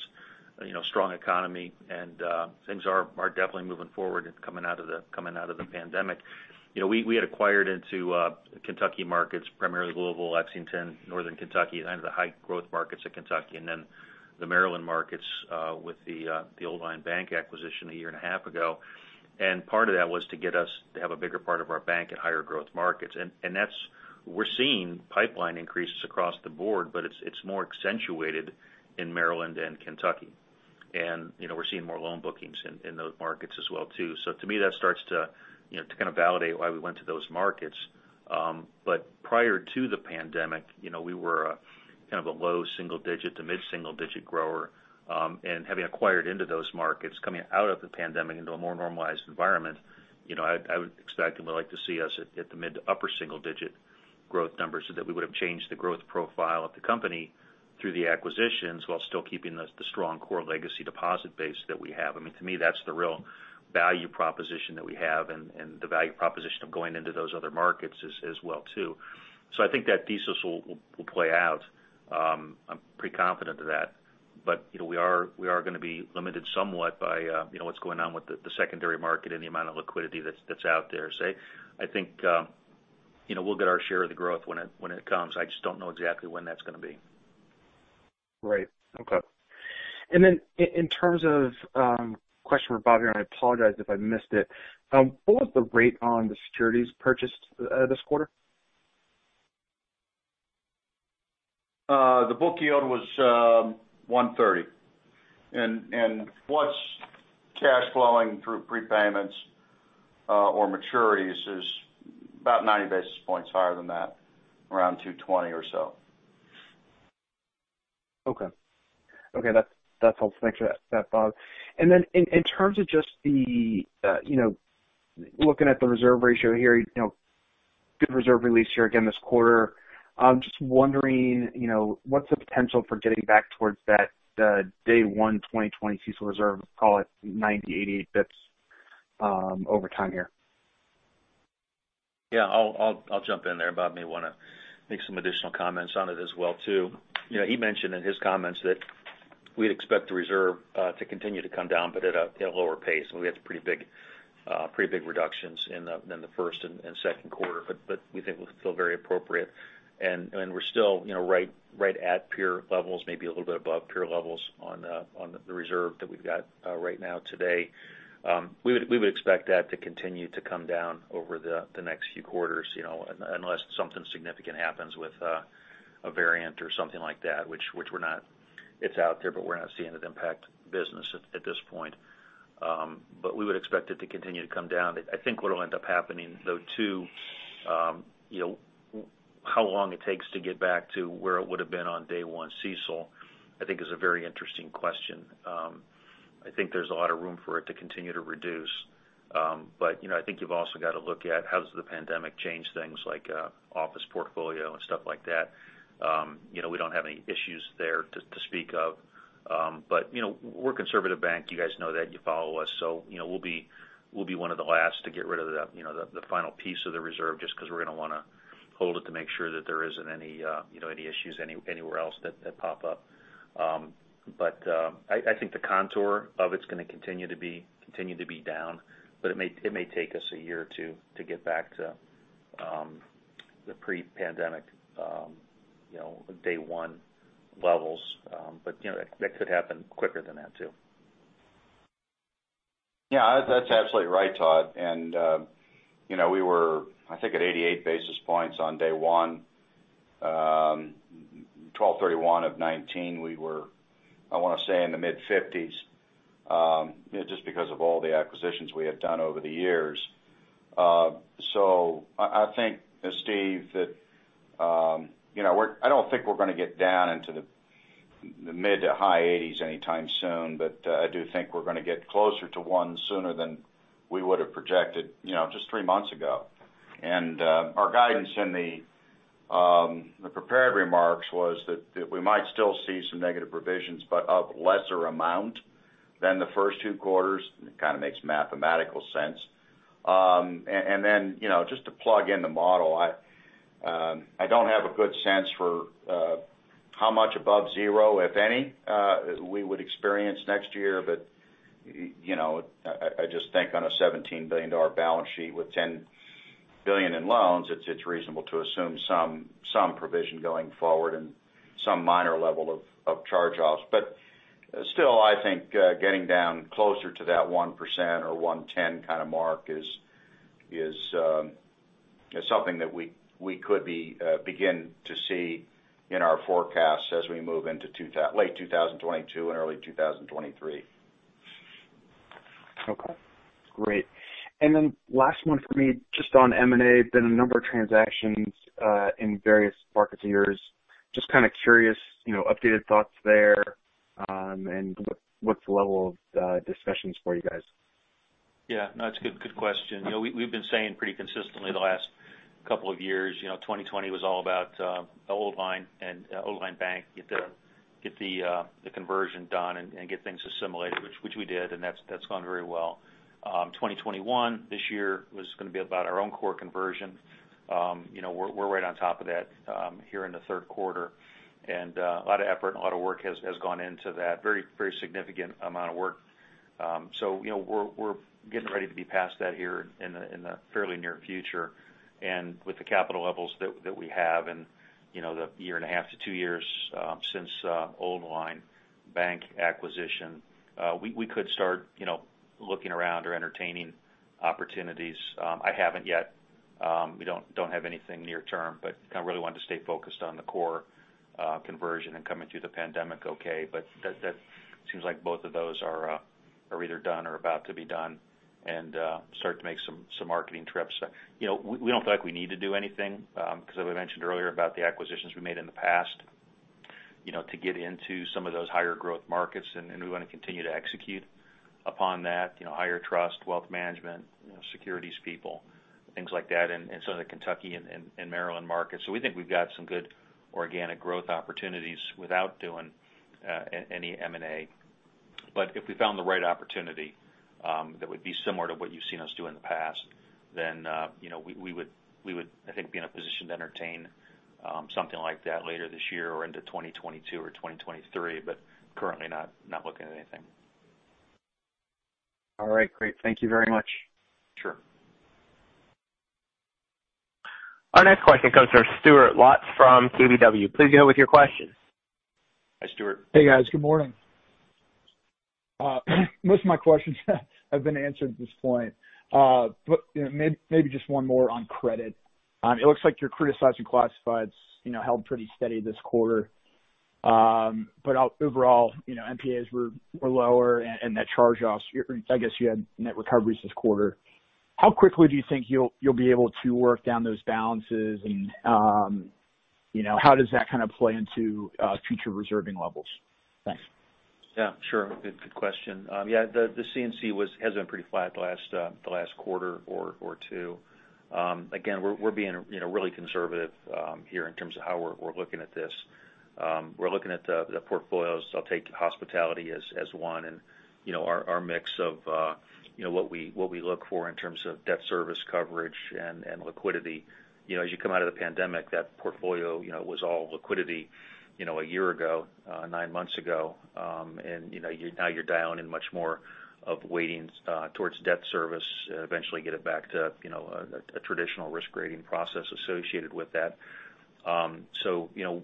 a strong economy and things are definitely moving forward coming out of the pandemic. We had acquired into Kentucky markets, primarily Louisville, Lexington, Northern Kentucky, kind of the high-growth markets of Kentucky, and the Maryland markets with the Old Line Bank acquisition 1.5 years ago. Part of that was to get us to have a bigger part of our bank at higher growth markets. We're seeing pipeline increases across the board, but it's more accentuated in Maryland and Kentucky. We're seeing more loan bookings in those markets as well, too. To me, that starts to validate why we went to those markets. Prior to the pandemic, we were kind of a low single digit to mid-single digit grower. Having acquired into those markets, coming out of the pandemic into a more normalized environment, I would expect and would like to see us at the mid to upper single digit growth numbers so that we would've changed the growth profile of the company through the acquisitions while still keeping the strong core legacy deposit base that we have. To me, that's the real value proposition that we have and the value proposition of going into those other markets as well, too. I think that thesis will play out. I'm pretty confident of that. We are going to be limited somewhat by what's going on with the secondary market and the amount of liquidity that's out there, say. I think we'll get our share of the growth when it comes. I just don't know exactly when that's going to be. Right. Okay. Question for Bob here, and I apologize if I missed it. What was the rate on the securities purchased this quarter? The book yield was 130. What's cash flowing through prepayments or maturities is about 90 basis points higher than that, around 220 or so. Okay. That helps. Thanks for that, Bob. Then in terms of just looking at the reserve ratio here, good reserve release here again this quarter. Just wondering what's the potential for getting back towards that day one 2020 CECL reserve, call it 90, 88 basis points over time here? Yeah. I'll jump in there. Bob may want to make some additional comments on it as well, too. We had some pretty big reductions in the first and second quarter, but we think it looks still very appropriate. We're still right at peer levels, maybe a little bit above peer levels on the reserve that we've got right now today. We would expect that to continue to come down over the next few quarters, unless something significant happens with a variant or something like that, which it's out there, but we're not seeing it impact business at this point. We would expect it to continue to come down. I think what'll end up happening, though, too, how long it takes to get back to where it would've been on day one CECL, I think is a very interesting question. I think there's a lot of room for it to continue to reduce. I think you've also got to look at how does the pandemic change things like office portfolio and stuff like that. We don't have any issues there to speak of. We're a conservative bank. You guys know that. You follow us. We'll be one of the last to get rid of the final piece of the reserve, just because we're going to want to hold it to make sure that there isn't any issues anywhere else that pop up. I think the contour of it's going to continue to be down, but it may take us a year or two to get back to the pre-pandemic day one levels. That could happen quicker than that, too. That's absolutely right, Todd. We were, I think at 88 basis points on day one. 12/31 of 2019, we were, I want to say, in the mid-50s, just because of all the acquisitions we have done over the years. I think, Steve, that I don't think we're going to get down into the mid to high 80s anytime soon. I do think we're going to get closer to one sooner than we would've projected just three months ago. Our guidance in the prepared remarks was that we might still see some negative provisions but of lesser amount than the first two quarters. It kind of makes mathematical sense. Just to plug in the model, I don't have a good sense for how much above zero, if any, we would experience next year. I just think on a $17 billion balance sheet with 10 billion in loans, it's reasonable to assume some provision going forward and some minor level of charge-offs. Still, I think getting down closer to that 1% or 1.10% kind of mark is something that we could begin to see in our forecasts as we move into late 2022 and early 2023. Okay, great. Last one for me, just on M&A. Been a number of transactions in various markets of yours. Just kind of curious, updated thoughts there, and what's the level of discussions for you guys? Yeah. No, it's a good question. We've been saying pretty consistently the last couple of years, 2020 was all about Old Line and Old Line Bank, get the conversion done and get things assimilated, which we did, and that's gone very well. 2021, this year, was going to be about our own core conversion. We're right on top of that here in the third quarter. A lot of effort and a lot of work has gone into that. Very significant amount of work. We're getting ready to be past that here in the fairly near future. With the capital levels that we have and the one and a half to two years since Old Line Bank acquisition, we could start looking around or entertaining opportunities. I haven't yet. We don't have anything near term, but kind of really wanted to stay focused on the core conversion and coming through the pandemic okay. That seems like both of those are either done or about to be done and start to make some marketing trips. We don't feel like we need to do anything because as I mentioned earlier about the acquisitions we made in the past to get into some of those higher growth markets, and we want to continue to execute upon that, higher trust, wealth management, securities people, things like that, and some of the Kentucky and Maryland markets. We think we've got some good organic growth opportunities without doing any M&A. If we found the right opportunity that would be similar to what you've seen us do in the past, then we would, I think, be in a position to entertain something like that later this year or into 2022 or 2023. Currently not looking at anything. All right. Great. Thank you very much. Sure. Our next question comes from Stuart Lotz from KBW. Please go with your question. Hi, Stuart. Hey, guys. Good morning. Most of my questions have been answered at this point. Maybe just one more on credit. It looks like your criticized classifieds held pretty steady this quarter. But overall NPAs were lower and net charge-offs, I guess you had net recoveries this quarter. How quickly do you think you'll be able to work down those balances and how does that kind of play into future reserving levels? Thanks. Yeah, sure. Good question. Yeah, the C&C has been pretty flat the last quarter or two. Again, we're being really conservative here in terms of how we're looking at this. We're looking at the portfolios. I'll take hospitality as one and our mix of what we look for in terms of debt service coverage and liquidity. As you come out of the pandemic, that portfolio was all liquidity a year ago, nine months ago, and now you're down in much more of weighting towards debt service. Eventually get it back to a traditional risk grading process associated with that.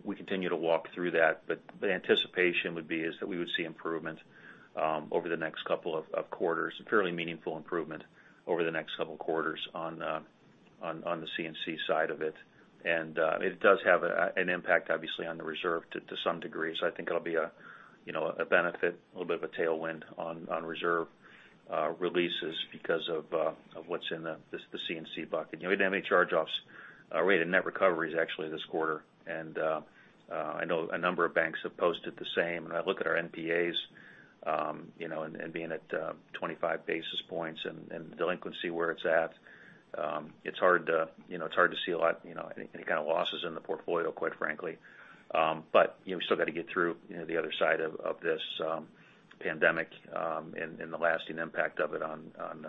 We continue to walk through that. The anticipation would be is that we would see improvement over the next couple of quarters, a fairly meaningful improvement over the next couple of quarters on the C&C side of it. It does have an impact, obviously, on the reserve to some degree. I think it'll be a benefit, a little bit of a tailwind on reserve releases because of what's in the C&C bucket. We didn't have any charge-offs. We had a net recovery, actually, this quarter, and I know a number of banks have posted the same. I look at our NPAs and being at 25 basis points and delinquency where it's at, it's hard to see any kind of losses in the portfolio, quite frankly. We still got to get through the other side of this pandemic and the lasting impact of it on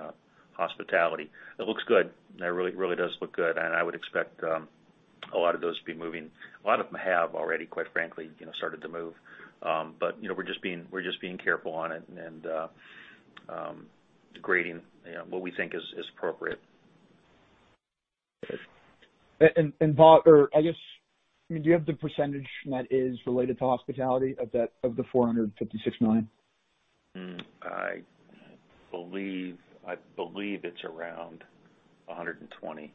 hospitality. It looks good. It really does look good, and I would expect a lot of those to be moving. A lot of them have already, quite frankly, started to move. We're just being careful on it and grading what we think is appropriate. Todd or, I mean, do you have the percentage that is related to hospitality of the $456 million? I believe it's around 120.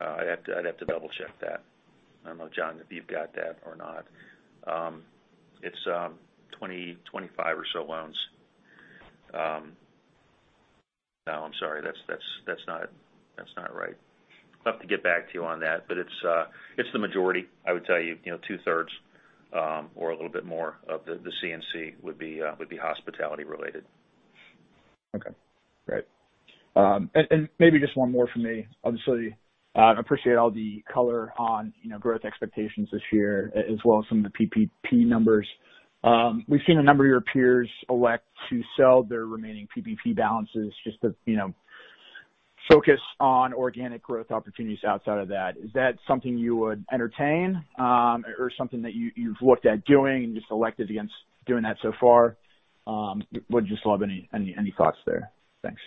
I'd have to double-check that. I don't know, John, if you've got that or not. It's 25 or so loans. No, I'm sorry. That's not right. I'll have to get back to you on that. It's the majority, I would tell you. Two-thirds or a little bit more of the C&C would be hospitality related. Okay, great. Maybe just one more from me. Obviously, I appreciate all the color on growth expectations this year as well as some of the PPP numbers. We've seen a number of your peers elect to sell their remaining PPP balances just to focus on organic growth opportunities outside of that. Is that something you would entertain or something that you've looked at doing and just elected against doing that so far? Would just love any thoughts there. Thanks.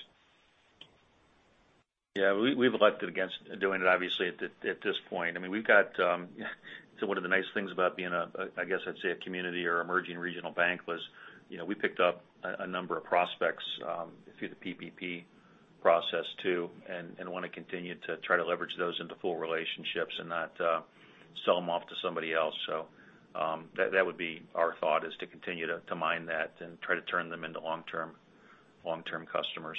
Yeah. We've elected against doing it, obviously, at this point. One of the nice things about being, I guess I'd say, a community or emerging regional bank was we picked up a number of prospects through the PPP process too, and want to continue to try to leverage those into full relationships and not sell them off to somebody else. That would be our thought, is to continue to mine that and try to turn them into long-term customers.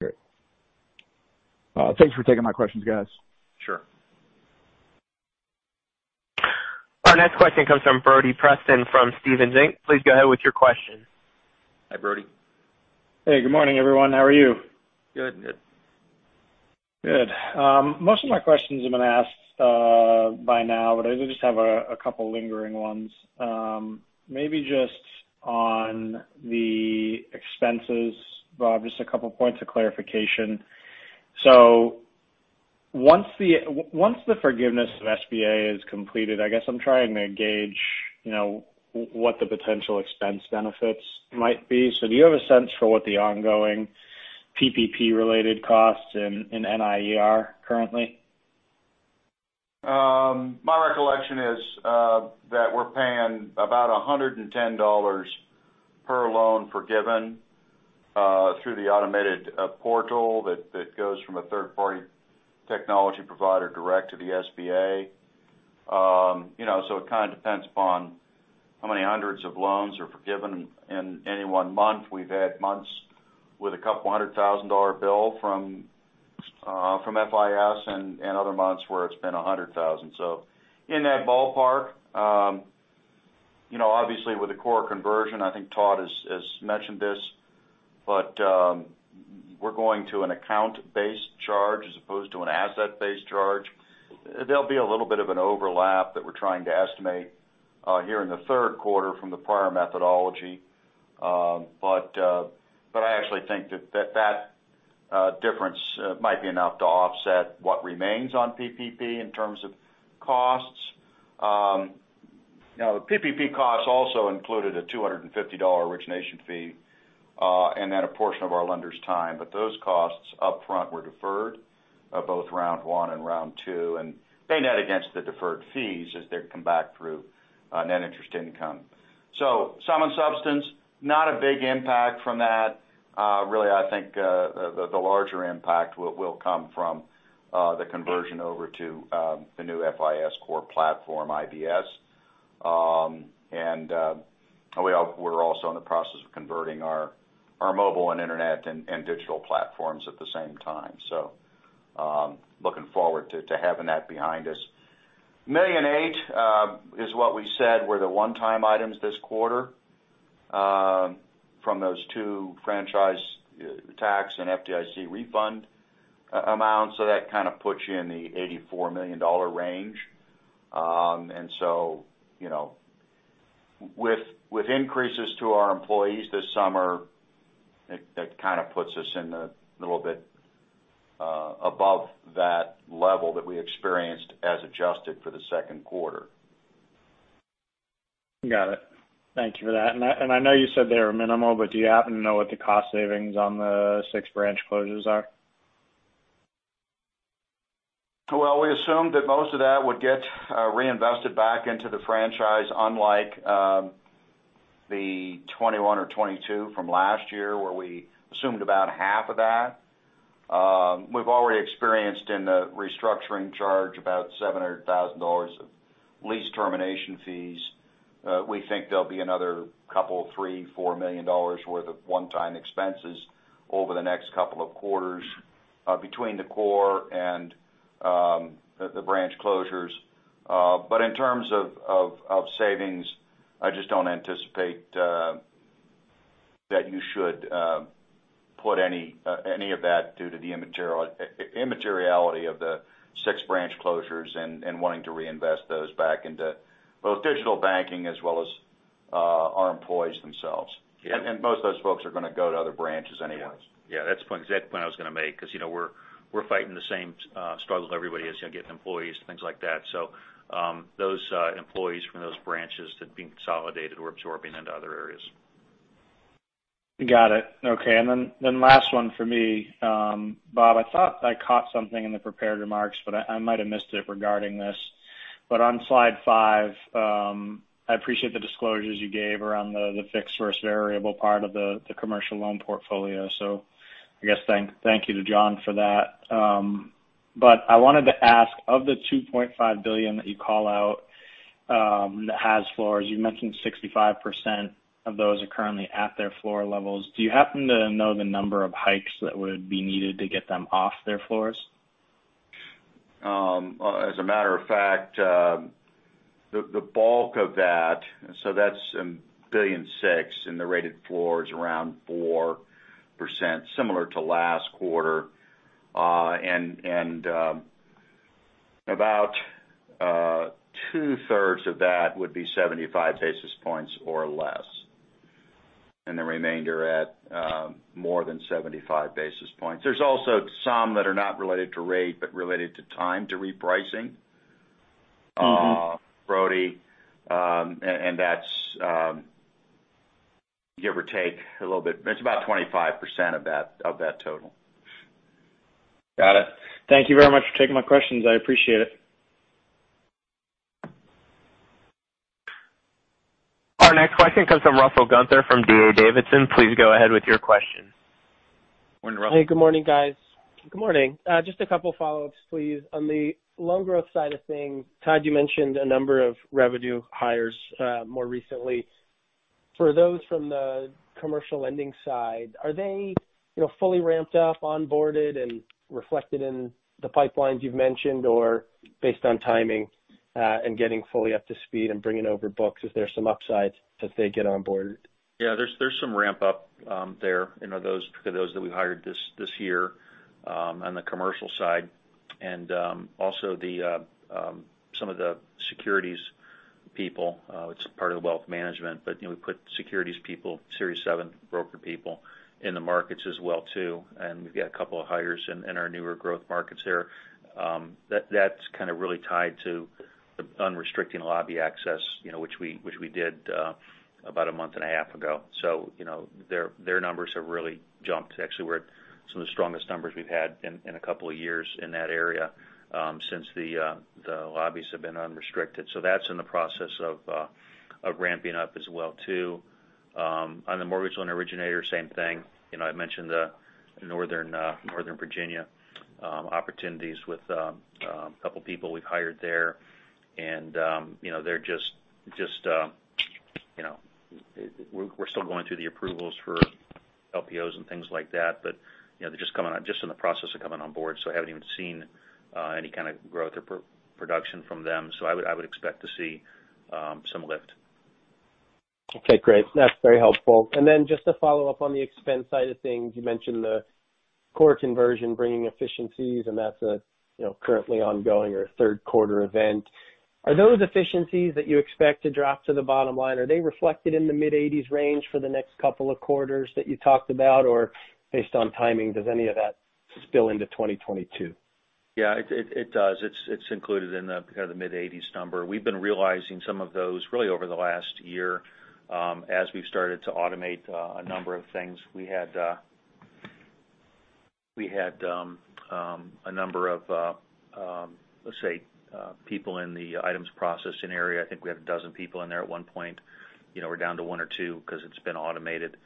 Great. Thanks for taking my questions, guys. Sure. Our next question comes from Brody Preston from Stephens Inc. Please go ahead with your question. Hi, Brody. Hey, good morning, everyone. How are you? Good. Good. Good. Most of my questions have been asked by now, but I just have a couple lingering ones. Maybe just on the expenses, Bob, just a couple points of clarification. Once the forgiveness of SBA is completed, I guess I'm trying to gauge what the potential expense benefits might be. Do you have a sense for what the ongoing PPP-related costs in NIE are currently? My recollection is that we're paying about $110 per loan forgiven through the automated portal that goes from a third-party technology provider direct to the SBA. It kind of depends upon how many hundreds of loans are forgiven in any one month. We've had months with a $200,000 bill from FIS and other months where it's been $100,000. In that ballpark. Obviously, with the core conversion, I think Todd has mentioned this, we're going to an account-based charge as opposed to an asset-based charge. There'll be a little bit of an overlap that we're trying to estimate here in the third quarter from the prior methodology. I actually think that difference might be enough to offset what remains on PPP in terms of costs. The PPP costs also included a $250 origination fee and then a portion of our lenders' time. Those costs up front were deferred, both round one and round two, and they net against the deferred fees as they come back through net interest income. Sum and substance, not a big impact from that. Really, I think the larger impact will come from the conversion over to the new FIS core platform, IBS. We're also in the process of converting our mobile and internet, and digital platforms at the same time. Looking forward to having that behind us. Million range is what we said were the one-time items this quarter from those two franchise tax and FDIC refund amounts. That kind of puts you in the $84 million range. With increases to our employees this summer, it kind of puts us in a little bit above that level that we experienced as adjusted for the second quarter. Got it. Thank you for that. I know you said they were minimal, but do you happen to know what the cost savings on the six branch closures are? Well, we assumed that most of that would get reinvested back into the franchise, unlike the 2021 or 2022 from last year, where we assumed about half of that. We've already experienced in the restructuring charge about $700,000 of lease termination fees. We think there'll be another couple, $3 million, $4 million worth of one-time expenses over the next couple of quarters between the core and the branch closures. In terms of savings, I just don't anticipate that you should put any of that due to the immateriality of the six branch closures and wanting to reinvest those back into both digital banking as well as our employees themselves. Yeah. Most of those folks are going to go to other branches anyway. Yeah. That's the point I was going to make because we're fighting the same struggles everybody is, getting employees, things like that. Those employees from those branches that are being consolidated, we're absorbing into other areas. Got it. Okay, last one for me. Bob, I thought I caught something in the prepared remarks, but I might have missed it regarding this. On slide five, I appreciate the disclosures you gave around the fixed versus variable part of the commercial loan portfolio. I guess thank you to John for that. I wanted to ask, of the $2.5 billion that you call out that has floors, you mentioned 65% of those are currently at their floor levels. Do you happen to know the number of hikes that would be needed to get them off their floors? As a matter of fact, that's $1.6 billion, and the weighted floor is around 4%, similar to last quarter. About 2/3 of that would be 75 basis points or less, and the remainder at more than 75 basis points. There's also some that are not related to rate but related to time to repricing. Brody, That's Give or take a little bit, but it's about 25% of that total. Got it. Thank you very much for taking my questions. I appreciate it. Our next question comes from Russell Gunther from D.A. Davidson. Please go ahead with your question. Morning, Russell. Hey, good morning, guys. Good morning. Just a couple follow-ups, please. On the loan growth side of things, Todd, you mentioned a number of revenue hires more recently. For those from the commercial lending side, are they fully ramped up, onboarded, and reflected in the pipelines you've mentioned? Or based on timing and getting fully up to speed and bringing over books, is there some upsides as they get onboarded? Yeah, there's some ramp-up there, particularly those that we hired this year on the commercial side. Also some of the securities people, it's part of the wealth management, but we put securities people, Series 7 broker people in the markets as well, too, and we've got two hires in our newer growth markets there. That's kind of really tied to the unrestricting lobby access, which we did about a month and a half ago. Their numbers have really jumped. Actually, we're at some of the strongest numbers we've had in two years in that area since the lobbies have been unrestricted. That's in the process of ramping up as well, too. On the mortgage loan originator, same thing. I mentioned the Northern Virginia opportunities with a couple people we've hired there. We're still going through the approvals for LPOs and things like that. They're just in the process of coming on board, so I haven't even seen any kind of growth or production from them. I would expect to see some lift. Okay, great. That's very helpful. Just to follow up on the expense side of things, you mentioned the core conversion bringing efficiencies, and that's currently ongoing or a third quarter event. Are those efficiencies that you expect to drop to the bottom line, are they reflected in the mid-80s range for the next couple of quarters that you talked about, or based on timing, does any of that spill into 2022? Yeah, it does. It's included in the mid-80s number. We've been realizing some of those really over the last year as we've started to automate a number of things. We had a number of, let's say, people in the items processing area. I think we had 12 people in there at one point. We're down to one or two because it's been automated.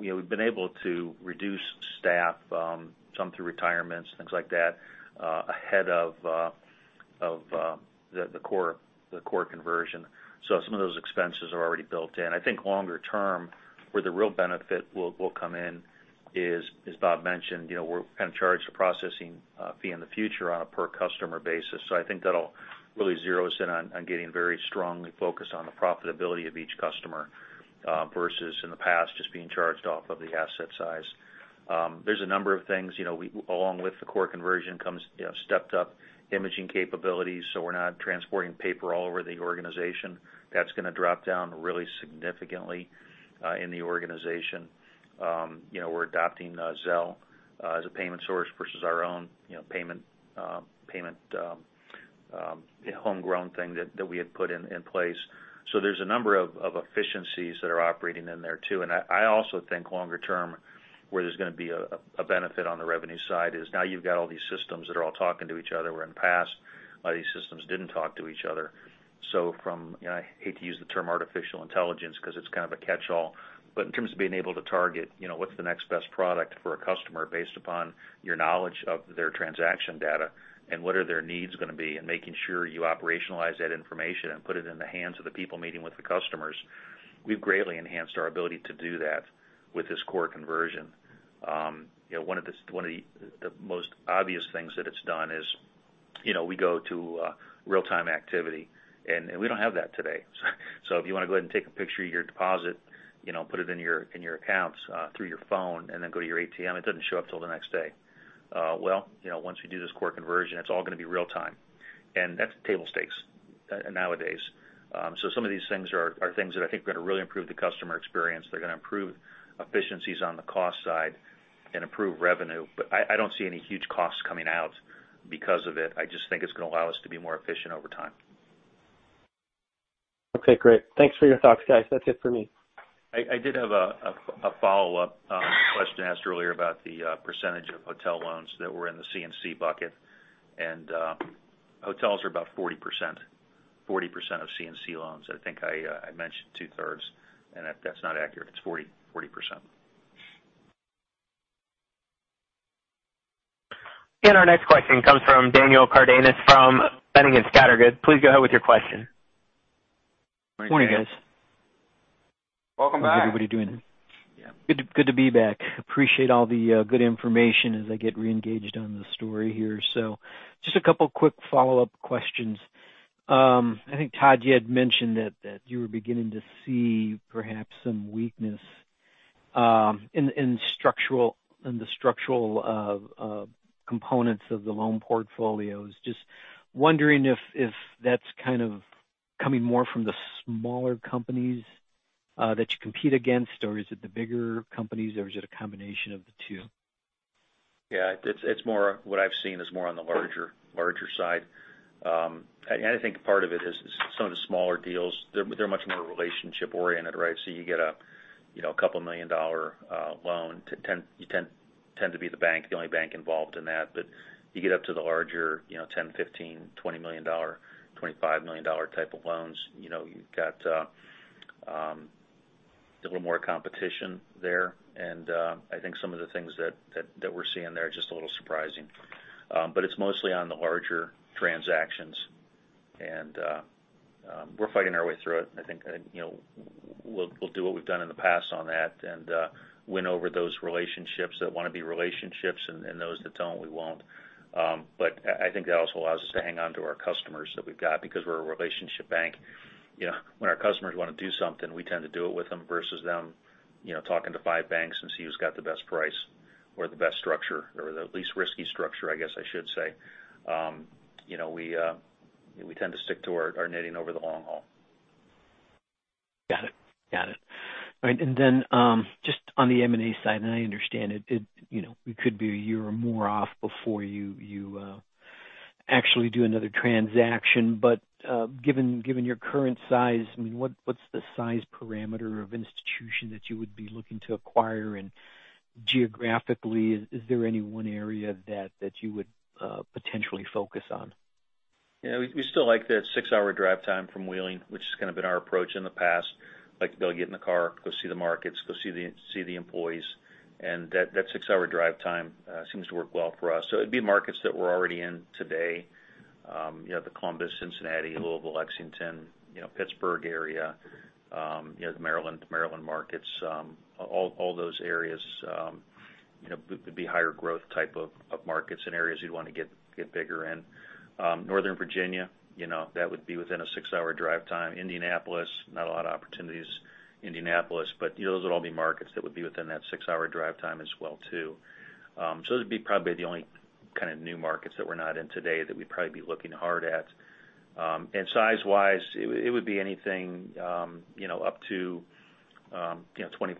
We've been able to reduce staff, some through retirements, things like that, ahead of the core conversion. Some of those expenses are already built in. I think longer term, where the real benefit will come in is, as Bob mentioned, we're going to charge the processing fee in the future on a per customer basis. I think that'll really zero us in on getting very strongly focused on the profitability of each customer, versus in the past, just being charged off of the asset size. There's a number of things. Along with the core conversion comes stepped up imaging capabilities, so we're not transporting paper all over the organization. That's going to drop down really significantly in the organization. We're adopting Zelle as a payment source versus our own payment homegrown thing that we had put in place. There's a number of efficiencies that are operating in there, too. I also think longer term, where there's going to be a benefit on the revenue side is now you've got all these systems that are all talking to each other, where in the past, these systems didn't talk to each other. From, I hate to use the term artificial intelligence because it's kind of a catchall, but in terms of being able to target what's the next best product for a customer based upon your knowledge of their transaction data and what are their needs going to be and making sure you operationalize that information and put it in the hands of the people meeting with the customers, we've greatly enhanced our ability to do that with this core conversion. One of the most obvious things that it's done is we go to real-time activity, and we don't have that today. If you want to go ahead and take a picture of your deposit, put it in your accounts through your phone, and then go to your ATM, it doesn't show up till the next day. Well, once we do this core conversion, it's all going to be real time, and that's table stakes nowadays. Some of these things are things that I think are going to really improve the customer experience. They're going to improve efficiencies on the cost side and improve revenue. I don't see any huge costs coming out because of it. I just think it's going to allow us to be more efficient over time. Okay, great. Thanks for your thoughts, guys. That's it for me. I did have a follow-up question asked earlier about the percentage of hotel loans that were in the C&C bucket, and hotels are about 40% of C&C loans. I think I mentioned 2/3, and that's not accurate. It's 40%. Our next question comes from Daniel Cardenas from Boenning & Scattergood. Good. Please go ahead with your question. Morning, guys. Welcome back. How's everybody doing? Yeah. Good to be back. Appreciate all the good information as I get re-engaged on the story here. Just a couple quick follow-up questions. I think, Todd, you had mentioned that you were beginning to see perhaps some weakness in the structural components of the loan portfolios. Just wondering if that's kind of coming more from the smaller companies that you compete against, or is it the bigger companies, or is it a combination of the two? Yeah. What I've seen is more on the larger side. I think part of it is some of the smaller deals, they're much more relationship oriented, right? You get a couple million dollar loan, you tend to be the only bank involved in that. You get up to the larger $10, $15, $20 million, $25 million type of loans, you've got a little more competition there. I think some of the things that we're seeing there are just a little surprising. It's mostly on the larger transactions. We're fighting our way through it. I think we'll do what we've done in the past on that and win over those relationships that want to be relationships and those that don't, we won't. I think that also allows us to hang on to our customers that we've got because we're a relationship bank. When our customers want to do something, we tend to do it with them versus them talking to five banks and see who's got the best price or the best structure or the least risky structure, I guess I should say. We tend to stick to our knitting over the long haul. Got it. All right. Just on the M&A side, and I understand it could be a year or more off before you actually do another transaction, but given your current size, what's the size parameter of institution that you would be looking to acquire? Geographically, is there any one area that you would potentially focus on? Yeah, we still like the six-hour drive time from Wheeling, which has kind of been our approach in the past. Like to be able to get in the car, go see the markets, go see the employees. That six-hour drive time seems to work well for us. It'd be markets that we're already in today, the Columbus, Cincinnati, Louisville, Lexington, Pittsburgh area, the Maryland markets. All those areas would be higher growth type of markets and areas you'd want to get bigger in. Northern Virginia, and Indianapolis, not a lot of opportunities, Indianapolis, but those would all be markets that would be within that six-hour drive time as well, too. Those would be probably the only kind of new markets that we're not in today that we'd probably be looking hard at. Size-wise, it would be anything up to 25%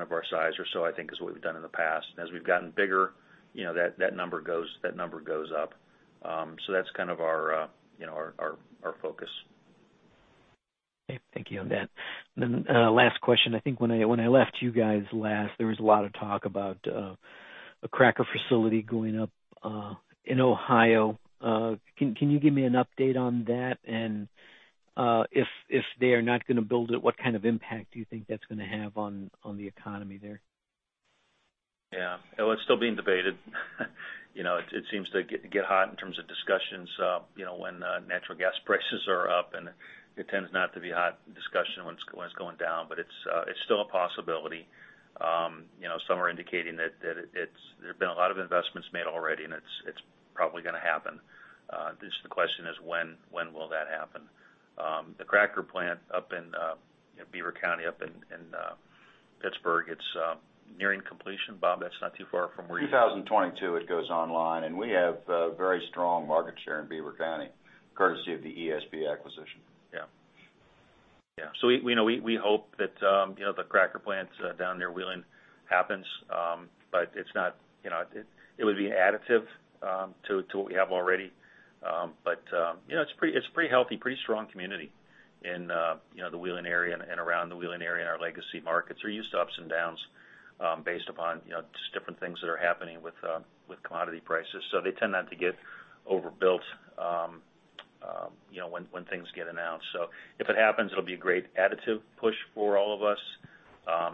of our size or so, I think, is what we've done in the past. As we've gotten bigger, that number goes up. That's kind of our focus. Okay. Thank you on that. Last question. I think when I left you guys last, there was a lot of talk about a cracker facility going up in Ohio. Can you give me an update on that? If they are not going to build it, what kind of impact do you think that's going to have on the economy there? Yeah. Well, it's still being debated. It seems to get hot in terms of discussions when natural gas prices are up, and it tends not to be a hot discussion when it's going down, but it's still a possibility. Some are indicating that there's been a lot of investments made already, and it's probably going to happen. Just the question is when will that happen? The cracker plant up in Beaver County, up in Pittsburgh, it's nearing completion. Bob, that's not too far from where you- 2022 it goes online, and we have very strong market share in Beaver County courtesy of the ESB acquisition. Yeah. We hope that the cracker plants down near Wheeling happens, but it would be additive to what we have already. It's a pretty healthy, pretty strong community in the Wheeling area and around the Wheeling area in our legacy markets. We're used to ups and downs based upon just different things that are happening with commodity prices. They tend not to get overbuilt when things get announced. If it happens, it'll be a great additive push for all of us.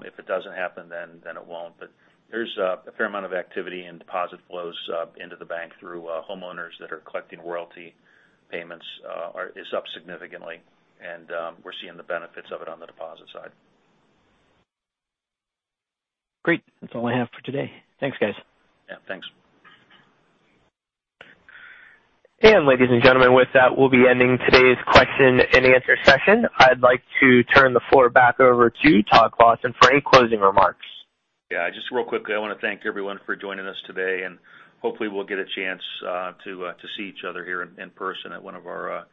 If it doesn't happen, then it won't. There's a fair amount of activity and deposit flows into the bank through homeowners that are collecting royalty payments is up significantly, and we're seeing the benefits of it on the deposit side. Great. That's all I have for today. Thanks, guys. Yeah, thanks. Ladies and gentlemen, with that, we'll be ending today's question and answer session. I'd like to turn the floor back over to Todd Clossin for any closing remarks. Yeah, just real quickly, I want to thank everyone for joining us today. Hopefully, we'll get a chance to see each other here in person at one of our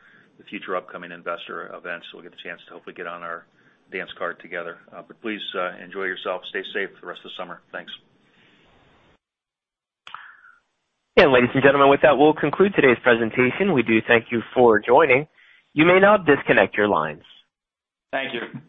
future upcoming investor events. We'll get the chance to hopefully get on our dance card together. Please enjoy yourself. Stay safe for the rest of the summer. Thanks. Ladies and gentlemen, with that, we'll conclude today's presentation. We do thank you for joining. You may now disconnect your lines. Thank you.